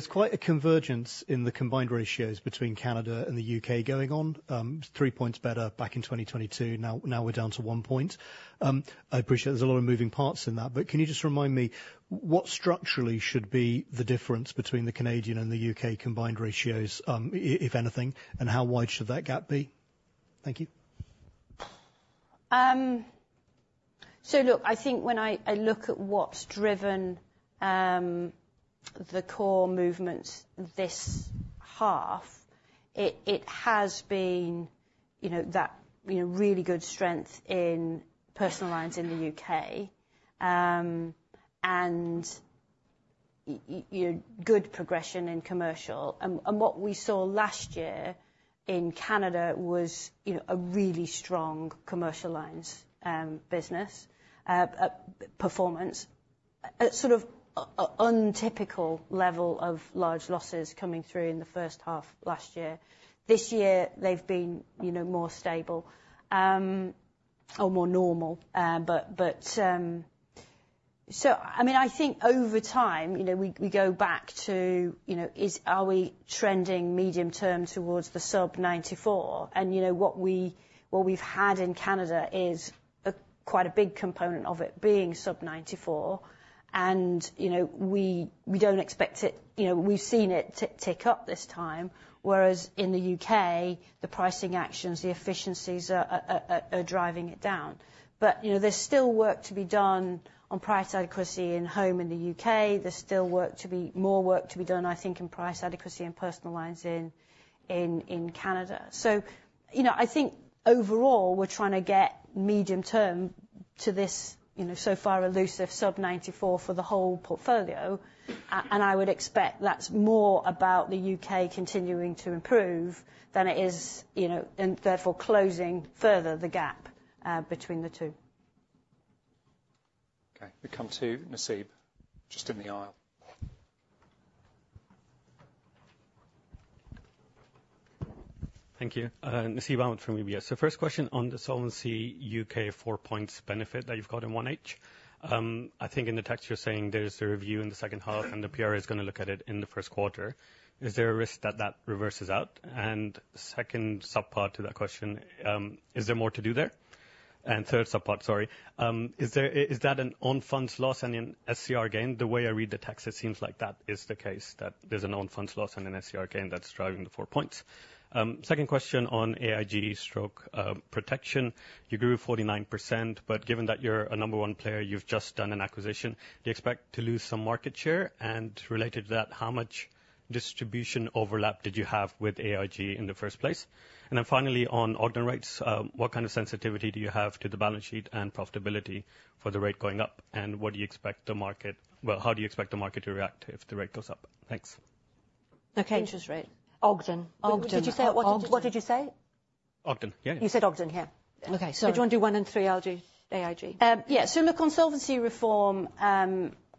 quite a convergence in the combined ratios between Canada and the UK going on. It's 3 points better back in 2022, now we're down to 1 point. I appreciate there's a lot of moving parts in that, but can you just remind me, what structurally should be the difference between the Canadian and the UK combined ratios, if anything, and how wide should that gap be? Thank you. So look, I think when I look at what's driven the core movements this half, it has been, you know, that, you know, really good strength in personal lines in the UK. And you know, good progression in commercial. And what we saw last year in Canada was, you know, a really strong commercial lines business performance. A sort of untypical level of large losses coming through in the first half last year. This year, they've been, you know, more stable or more normal. So, I mean, I think over time, you know, we go back to, you know, are we trending medium term towards the sub-94? And, you know, what we've had in Canada is quite a big component of it being sub-94. You know, we don't expect it. You know, we've seen it tick up this time, whereas in the U.K., the pricing actions, the efficiencies are driving it down. But, you know, there's still work to be done on price adequacy in home in the U.K. There's still work to be done. More work to be done, I think, in price adequacy and personal lines in Canada. So, you know, I think overall, we're trying to get medium-term to this, you know, so far elusive sub-94 for the whole portfolio. And I would expect that's more about the U.K. continuing to improve than it is, you know, and therefore closing further the gap between the two. Okay, we come to Nasib, just in the aisle. Thank you. Nasib Ahmed from UBS. So first question on the Solvency UK 4 points benefit that you've got in 1H. I think in the text, you're saying there's a review in the second half, and the PRA is gonna look at it in the first quarter. Is there a risk that that reverses out? And second subpart to that question, is there more to do there? And third subpart, is there... Is that an own funds loss and an SCR gain? The way I read the text, it seems like that is the case, that there's an own funds loss and an SCR gain that's driving the 4 points. Second question on AIG/protection. You grew 49%, but given that you're a number one player, you've just done an acquisition, do you expect to lose some market share? And related to that, how much distribution overlap did you have with AIG in the first place? And then finally, on Ogden rates, what kind of sensitivity do you have to the balance sheet and profitability for the rate going up, and what do you expect the market... Well, how do you expect the market to react if the rate goes up? Thanks. Okay. Interest rate. Ogden. Ogden. Did you say, what did you say? Ogden, yeah. You said Ogden, yeah. Okay, so— Do you want to do 1 and 3, LG, AIG? Yeah, so in the Solvency reform,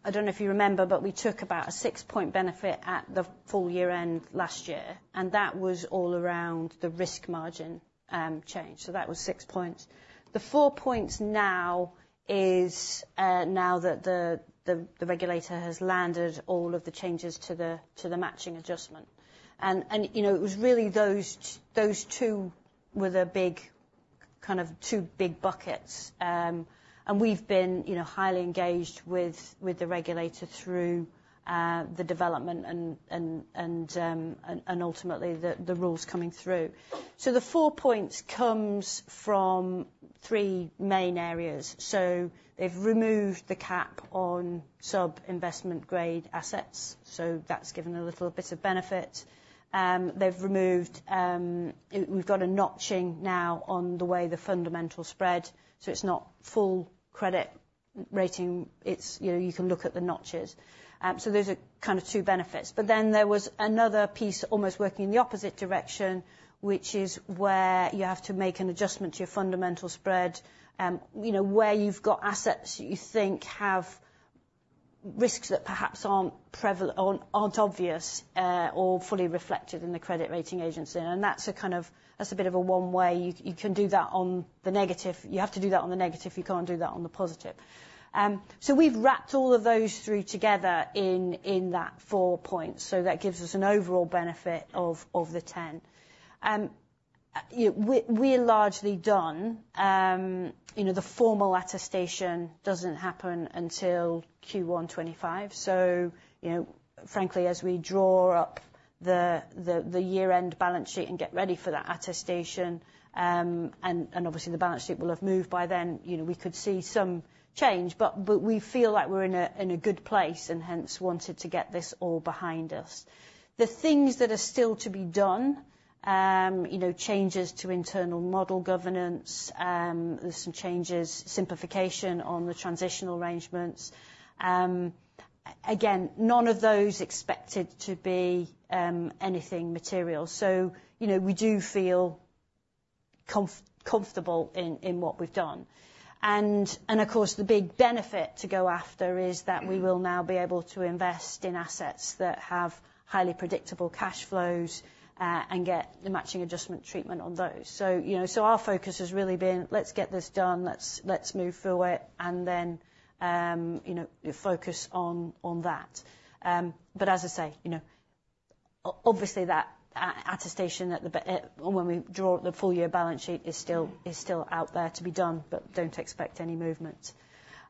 I don't know if you remember, but we took about a 6-point benefit at the full year end last year, and that was all around the risk margin change. So that was 6 points. The 4 points now is, now that the regulator has landed all of the changes to the matching adjustment. And you know, it was really those two were the big, kind of, two big buckets. And we've been, you know, highly engaged with the regulator through the development and ultimately, the rules coming through. So the 4 points comes from 3 main areas. So they've removed the cap on sub-investment grade assets, so that's given a little bit of benefit. They've removed, we've got a notching now on the way the fundamental spread, so it's not full credit rating. It's, you know, you can look at the notches. So those are kind of two benefits. But then there was another piece, almost working in the opposite direction, which is where you have to make an adjustment to your fundamental spread, you know, where you've got assets that you think have risks that perhaps aren't prevalent, aren't obvious, or fully reflected in the credit rating agencies. And that's a kind of, that's a bit of a one way. You can do that on the negative. You have to do that on the negative, you can't do that on the positive. So we've wrapped all of those through together in that 4 points, so that gives us an overall benefit of the 10. We are largely done, you know, the formal attestation doesn't happen until Q1 2025. So, you know, frankly, as we draw up the year-end balance sheet and get ready for that attestation, and obviously, the balance sheet will have moved by then, you know, we could see some change. But we feel like we're in a good place, and hence, wanted to get this all behind us. The things that are still to be done, you know, changes to internal model governance, there's some changes, simplification on the transitional arrangements. Again, none of those expected to be anything material. So, you know, we do feel comfortable in what we've done. And, of course, the big benefit to go after is that we will now be able to invest in assets that have highly predictable cash flows and get the matching adjustment treatment on those. So, you know, so our focus has really been, let's get this done, let's move through it, and then, you know, focus on that. But as I say, you know, obviously, that attestation, when we draw the full year balance sheet is still out there to be done, but don't expect any movement.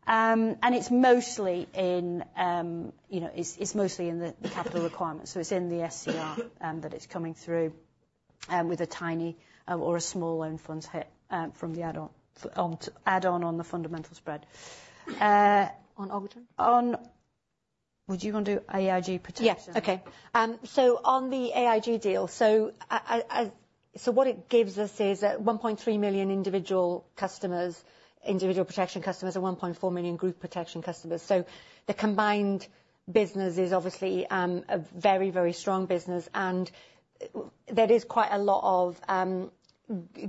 And it's mostly in, you know, it's mostly in the capital requirements, so it's in the SCR that it's coming through with a tiny or a small own funds hit from the add-on... add on, on the fundamental spread. On Ogden? Would you wanna do AIG Protection? Yes. Okay. So on the AIG deal, so what it gives us is, 1.3 million individual customers, individual protection customers, and 1.4 million group protection customers. So the combined business is obviously, a very, very strong business, and there is quite a lot of,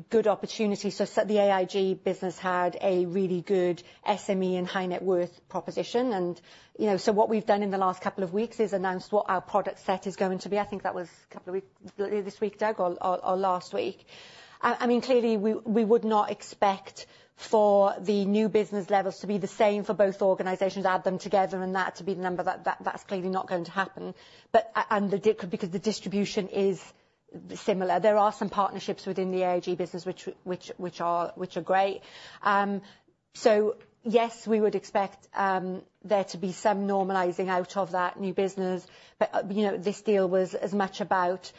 good opportunities. So the AIG business had a really good SME and high net worth proposition, and, you know, so what we've done in the last couple of weeks is announced what our product set is going to be. I think that was a couple of weeks, earlier this week, Doug, or last week. I mean, clearly, we would not expect for the new business levels to be the same for both organizations, add them together, and that to be the number, that, that's clearly not going to happen. But the distribution is similar. There are some partnerships within the AIG business, which are great. So yes, we would expect there to be some normalizing out of that new business, but, you know, this deal was as much about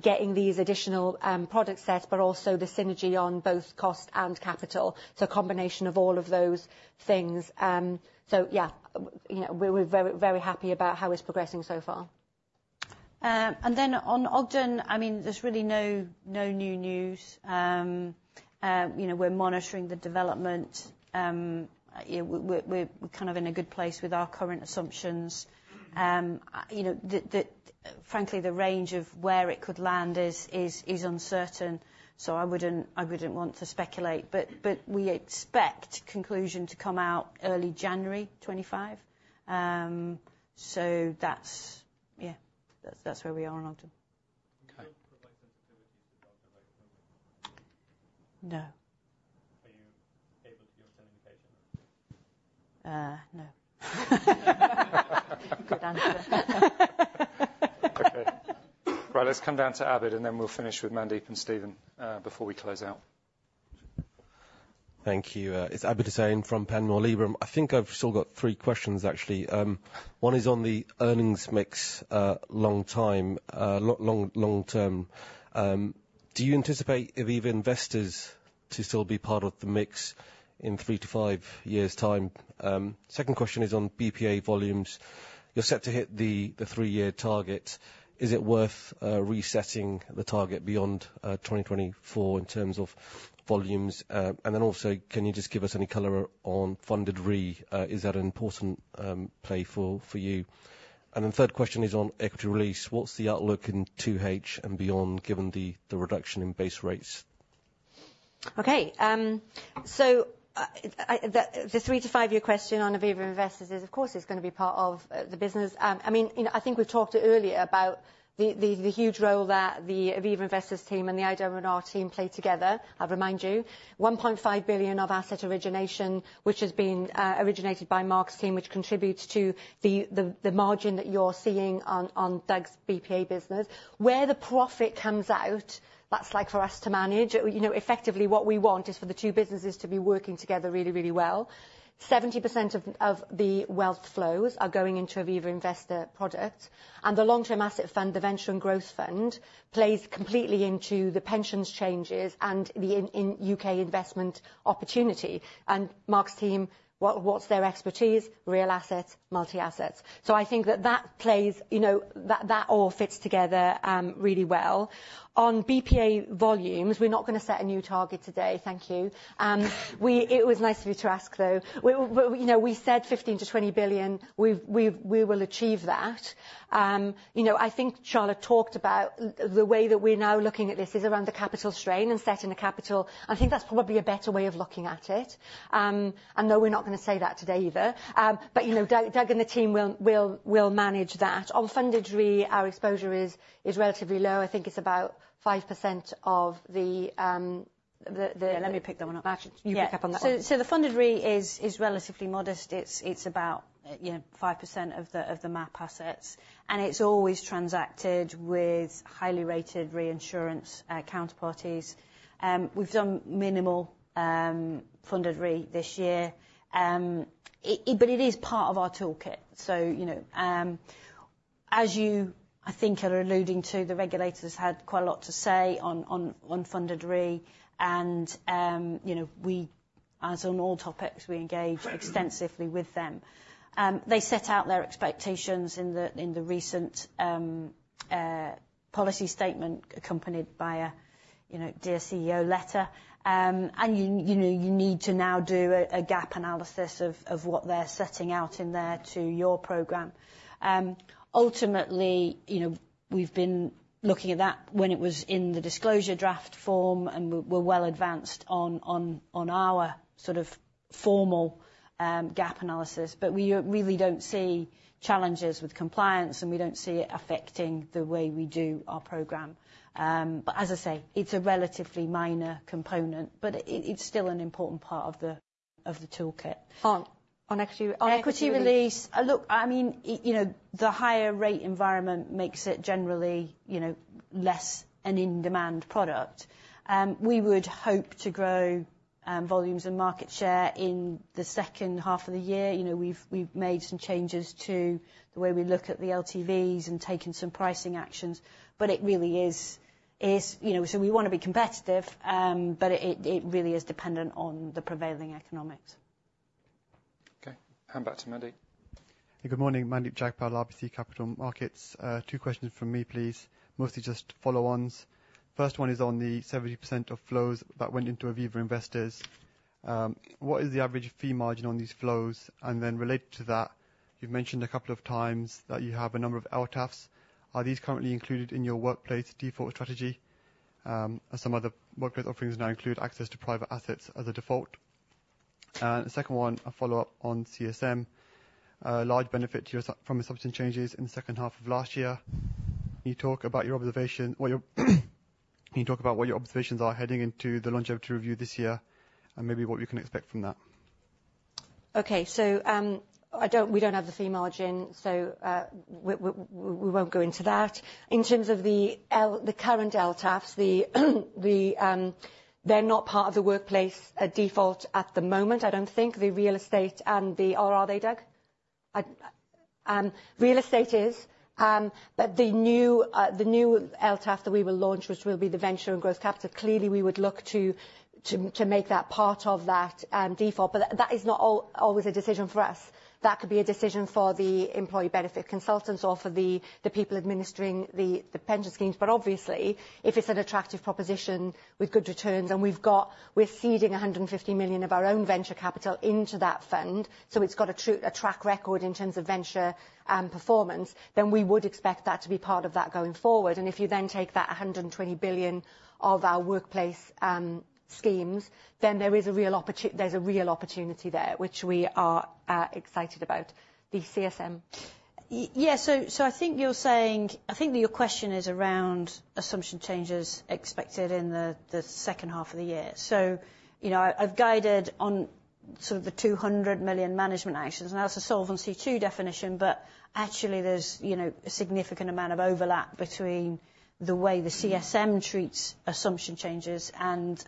getting these additional product set, but also the synergy on both cost and capital. So a combination of all of those things. So yeah, you know, we're very, very happy about how it's progressing so far. And then on Ogden, I mean, there's really no new news. You know, we're monitoring the development. We're kind of in a good place with our current assumptions. You know, frankly, the range of where it could land is uncertain, so I wouldn't want to speculate. But we expect conclusion to come out early January 2025. So that's... Yeah, that's where we are on Ogden. Okay. Can you provide sensitivities to Ogden, like, at the moment? No. Are you able to give some indication on it? Uh, no. Good answer. Okay. Right, let's come down to Abid, and then we'll finish with Mandeep and Steven, before we close out. Thank you. It's Abid Hussain from Panmure Gordon. I think I've still got three questions, actually. One is on the earnings mix, long term. Do you anticipate Aviva Investors to still be part of the mix in three to five years' time? Second question is on BPA volumes. You're set to hit the three-year target. Is it worth resetting the target beyond 2024 in terms of volumes? And then also, can you just give us any color on Funded Re? Is that an important play for you? And then third question is on equity release. What's the outlook in 2H and beyond, given the reduction in base rates? Okay, so, the three to five-year question on Aviva Investors is, of course, it's gonna be part of the business. I mean, you know, I think we talked earlier about the huge role that the Aviva Investors team and the insurance and retirement team play together. I'll remind you, 1.5 billion of asset origination, which has been originated by Mark's team, which contributes to the margin that you're seeing on Doug's BPA business. Where the profit comes out, that's like for us to manage. You know, effectively, what we want is for the two businesses to be working together really, really well. 70% of the wealth flows are going into Aviva Investors product, and the long-term asset fund, the Venture and Growth Fund, plays completely into the pensions changes and the UK investment opportunity. And Mark's team, what's their expertise? Real assets, multi-assets. So I think that plays... You know, that all fits together really well.... On BPA volumes, we're not gonna set a new target today. Thank you. It was nice of you to ask, though. We, we, you know, we said 15 billion-20 billion. We will achieve that. You know, I think Charlotte talked about the way that we're now looking at this is around the capital strain and setting the capital. I think that's probably a better way of looking at it. And no, we're not gonna say that today either. But, you know, Doug and the team will manage that. On funded re, our exposure is relatively low. I think it's about 5% of the the- Let me pick that one up, actually. Yeah. You pick up on that one. So the funded re is relatively modest. It's about, you know, 5% of the MAP assets, and it's always transacted with highly rated reinsurance counterparties. We've done minimal funded re this year. But it is part of our toolkit. So, you know, as you, I think are alluding to, the regulators had quite a lot to say on funded re, and, you know, we, as on all topics, we engage extensively with them. They set out their expectations in the recent policy statement, accompanied by a, you know, Dear CEO letter. And, you know, you need to now do a gap analysis of what they're setting out in there to your program. Ultimately, you know, we've been looking at that when it was in the disclosure draft form, and we're well advanced on our sort of formal gap analysis. But we really don't see challenges with compliance, and we don't see it affecting the way we do our program. But as I say, it's a relatively minor component, but it's still an important part of the toolkit. On equity. Equity release. Look, I mean, you know, the higher rate environment makes it generally, you know, less an in-demand product. We would hope to grow volumes and market share in the second half of the year. You know, we've made some changes to the way we look at the LTVs and taken some pricing actions, but it really is. You know, so we want to be competitive, but it really is dependent on the prevailing economics. Okay. Hand back to Mandeep. Good morning. Mandeep Jagpal, RBC Capital Markets. Two questions from me, please. Mostly just follow-ons. First one is on the 70% of flows that went into Aviva Investors. What is the average fee margin on these flows? And then related to that, you've mentioned a couple of times that you have a number of LTAFs. Are these currently included in your workplace default strategy? As some other workplace offerings now include access to private assets as a default. The second one, a follow-up on CSM. A large benefit to your... From assumption changes in the second half of last year. Can you talk about your observation or your, can you talk about what your observations are heading into the longevity review this year, and maybe what we can expect from that? Okay, so, I don't, we don't have the fee margin, so, we won't go into that. In terms of the current LTAFs, the... They're not part of the workplace default at the moment, I don't think. The real estate and the... Or are they, Doug? Real estate is, but the new LTAF that we will launch, which will be the venture and growth capital, clearly, we would look to make that part of that default. But that is not always a decision for us. That could be a decision for the employee benefit consultants or for the people administering the pension schemes. But obviously, if it's an attractive proposition with good returns, and we're ceding 150 million of our own venture capital into that fund, so it's got a true track record in terms of venture and performance, then we would expect that to be part of that going forward. And if you then take that 120 billion of our workplace schemes, then there is a real opportunity there, which we are excited about. The CSM. Yes, so I think you're saying... I think that your question is around assumption changes expected in the second half of the year. So, you know, I've guided on sort of the 200 million management actions, and that's a Solvency II definition, but actually there's, you know, a significant amount of overlap between the way the CSM treats assumption changes and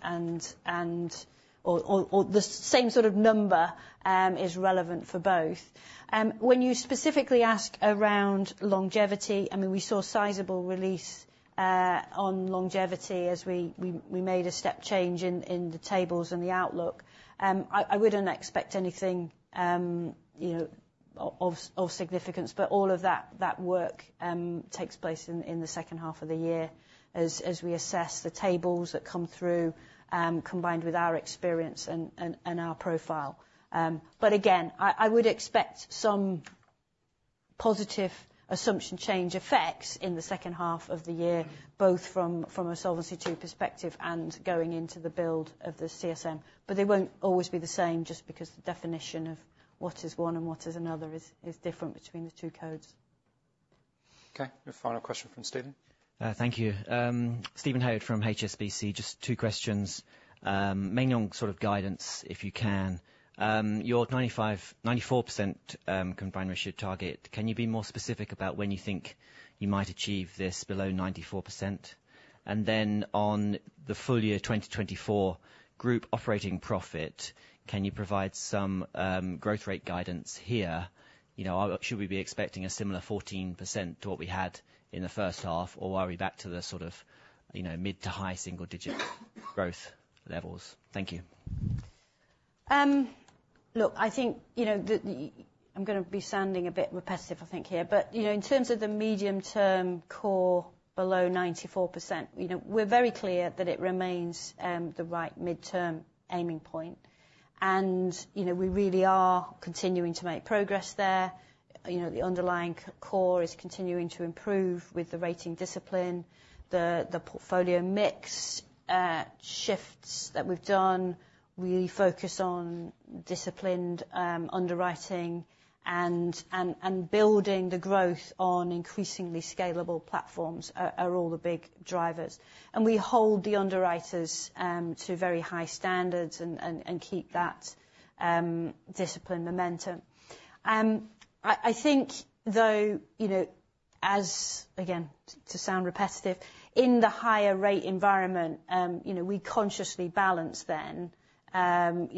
or the same sort of number is relevant for both. When you specifically ask around longevity, I mean, we saw sizable release on longevity as we made a step change in the tables and the outlook. I wouldn't expect anything, you know, of significance, but all of that work takes place in the second half of the year, as we assess the tables that come through, combined with our experience and our profile. But again, I would expect some positive assumption change effects in the second half of the year, both from a Solvency II perspective and going into the build of the CSM. But they won't always be the same, just because the definition of what is one and what is another is different between the two codes. Okay, the final question from Stephen. Thank you. Steven Haywood from HSBC. Just two questions. Mainly on sort of guidance, if you can. Your 95, 94% Combined Ratio target, can you be more specific about when you think you might achieve this below 94%? And then on the full year 2024 group operating profit, can you provide some growth rate guidance here? You know, should we be expecting a similar 14% to what we had in the first half, or are we back to the sort of, you know, mid to high single digit growth levels? Thank you.... Look, I think, you know, the, I'm gonna be sounding a bit repetitive, I think here, but, you know, in terms of the medium-term core below 94%, you know, we're very clear that it remains the right midterm aiming point. And, you know, we really are continuing to make progress there. You know, the underlying core is continuing to improve with the rating discipline. The portfolio mix shifts that we've done, we focus on disciplined underwriting, and building the growth on increasingly scalable platforms are all the big drivers. And we hold the underwriters to very high standards and keep that discipline momentum. I think, though, you know, as again to sound repetitive, in the higher rate environment, you know, we consciously balance them, you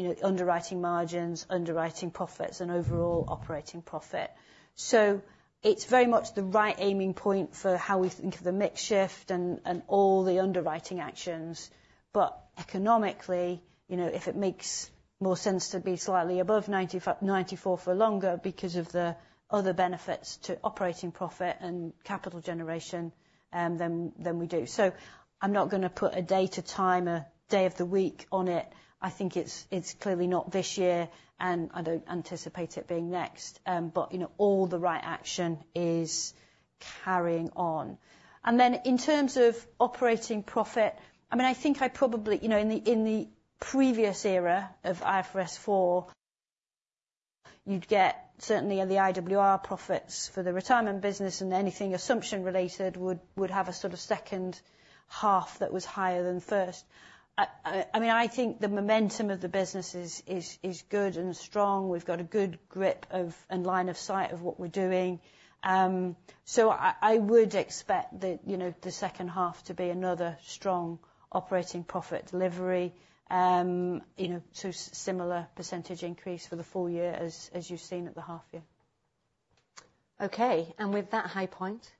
know, underwriting margins, underwriting profits, and overall operating profit. So it's very much the right aiming point for how we think of the mix shift and all the underwriting actions. But economically, you know, if it makes more sense to be slightly above 94 for longer because of the other benefits to operating profit and capital generation, then we do. So I'm not gonna put a date or time, a day of the week on it. I think it's clearly not this year, and I don't anticipate it being next. But, you know, all the right action is carrying on. And then in terms of operating profit, I mean, I think I probably... You know, in the previous era of IFRS 4, you'd get certainly in the IWR profits for the retirement business, and anything assumption related would have a sort of second half that was higher than first. I mean, I think the momentum of the business is good and strong. We've got a good grip of and line of sight of what we're doing. So I would expect the, you know, the second half to be another strong operating profit delivery. You know, so similar percentage increase for the full year as you've seen at the half year. Okay, and with that high point,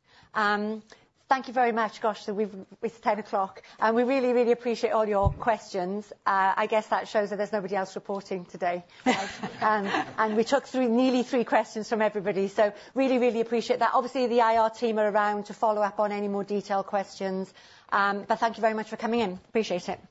thank you very much. Gosh, so we've—it's 10:00 A.M., and we really, really appreciate all your questions. I guess that shows that there's nobody else reporting today, right? We took 3, nearly 3 questions from everybody, so really, really appreciate that. Obviously, the IR team are around to follow up on any more detailed questions. But thank you very much for coming in. Appreciate it.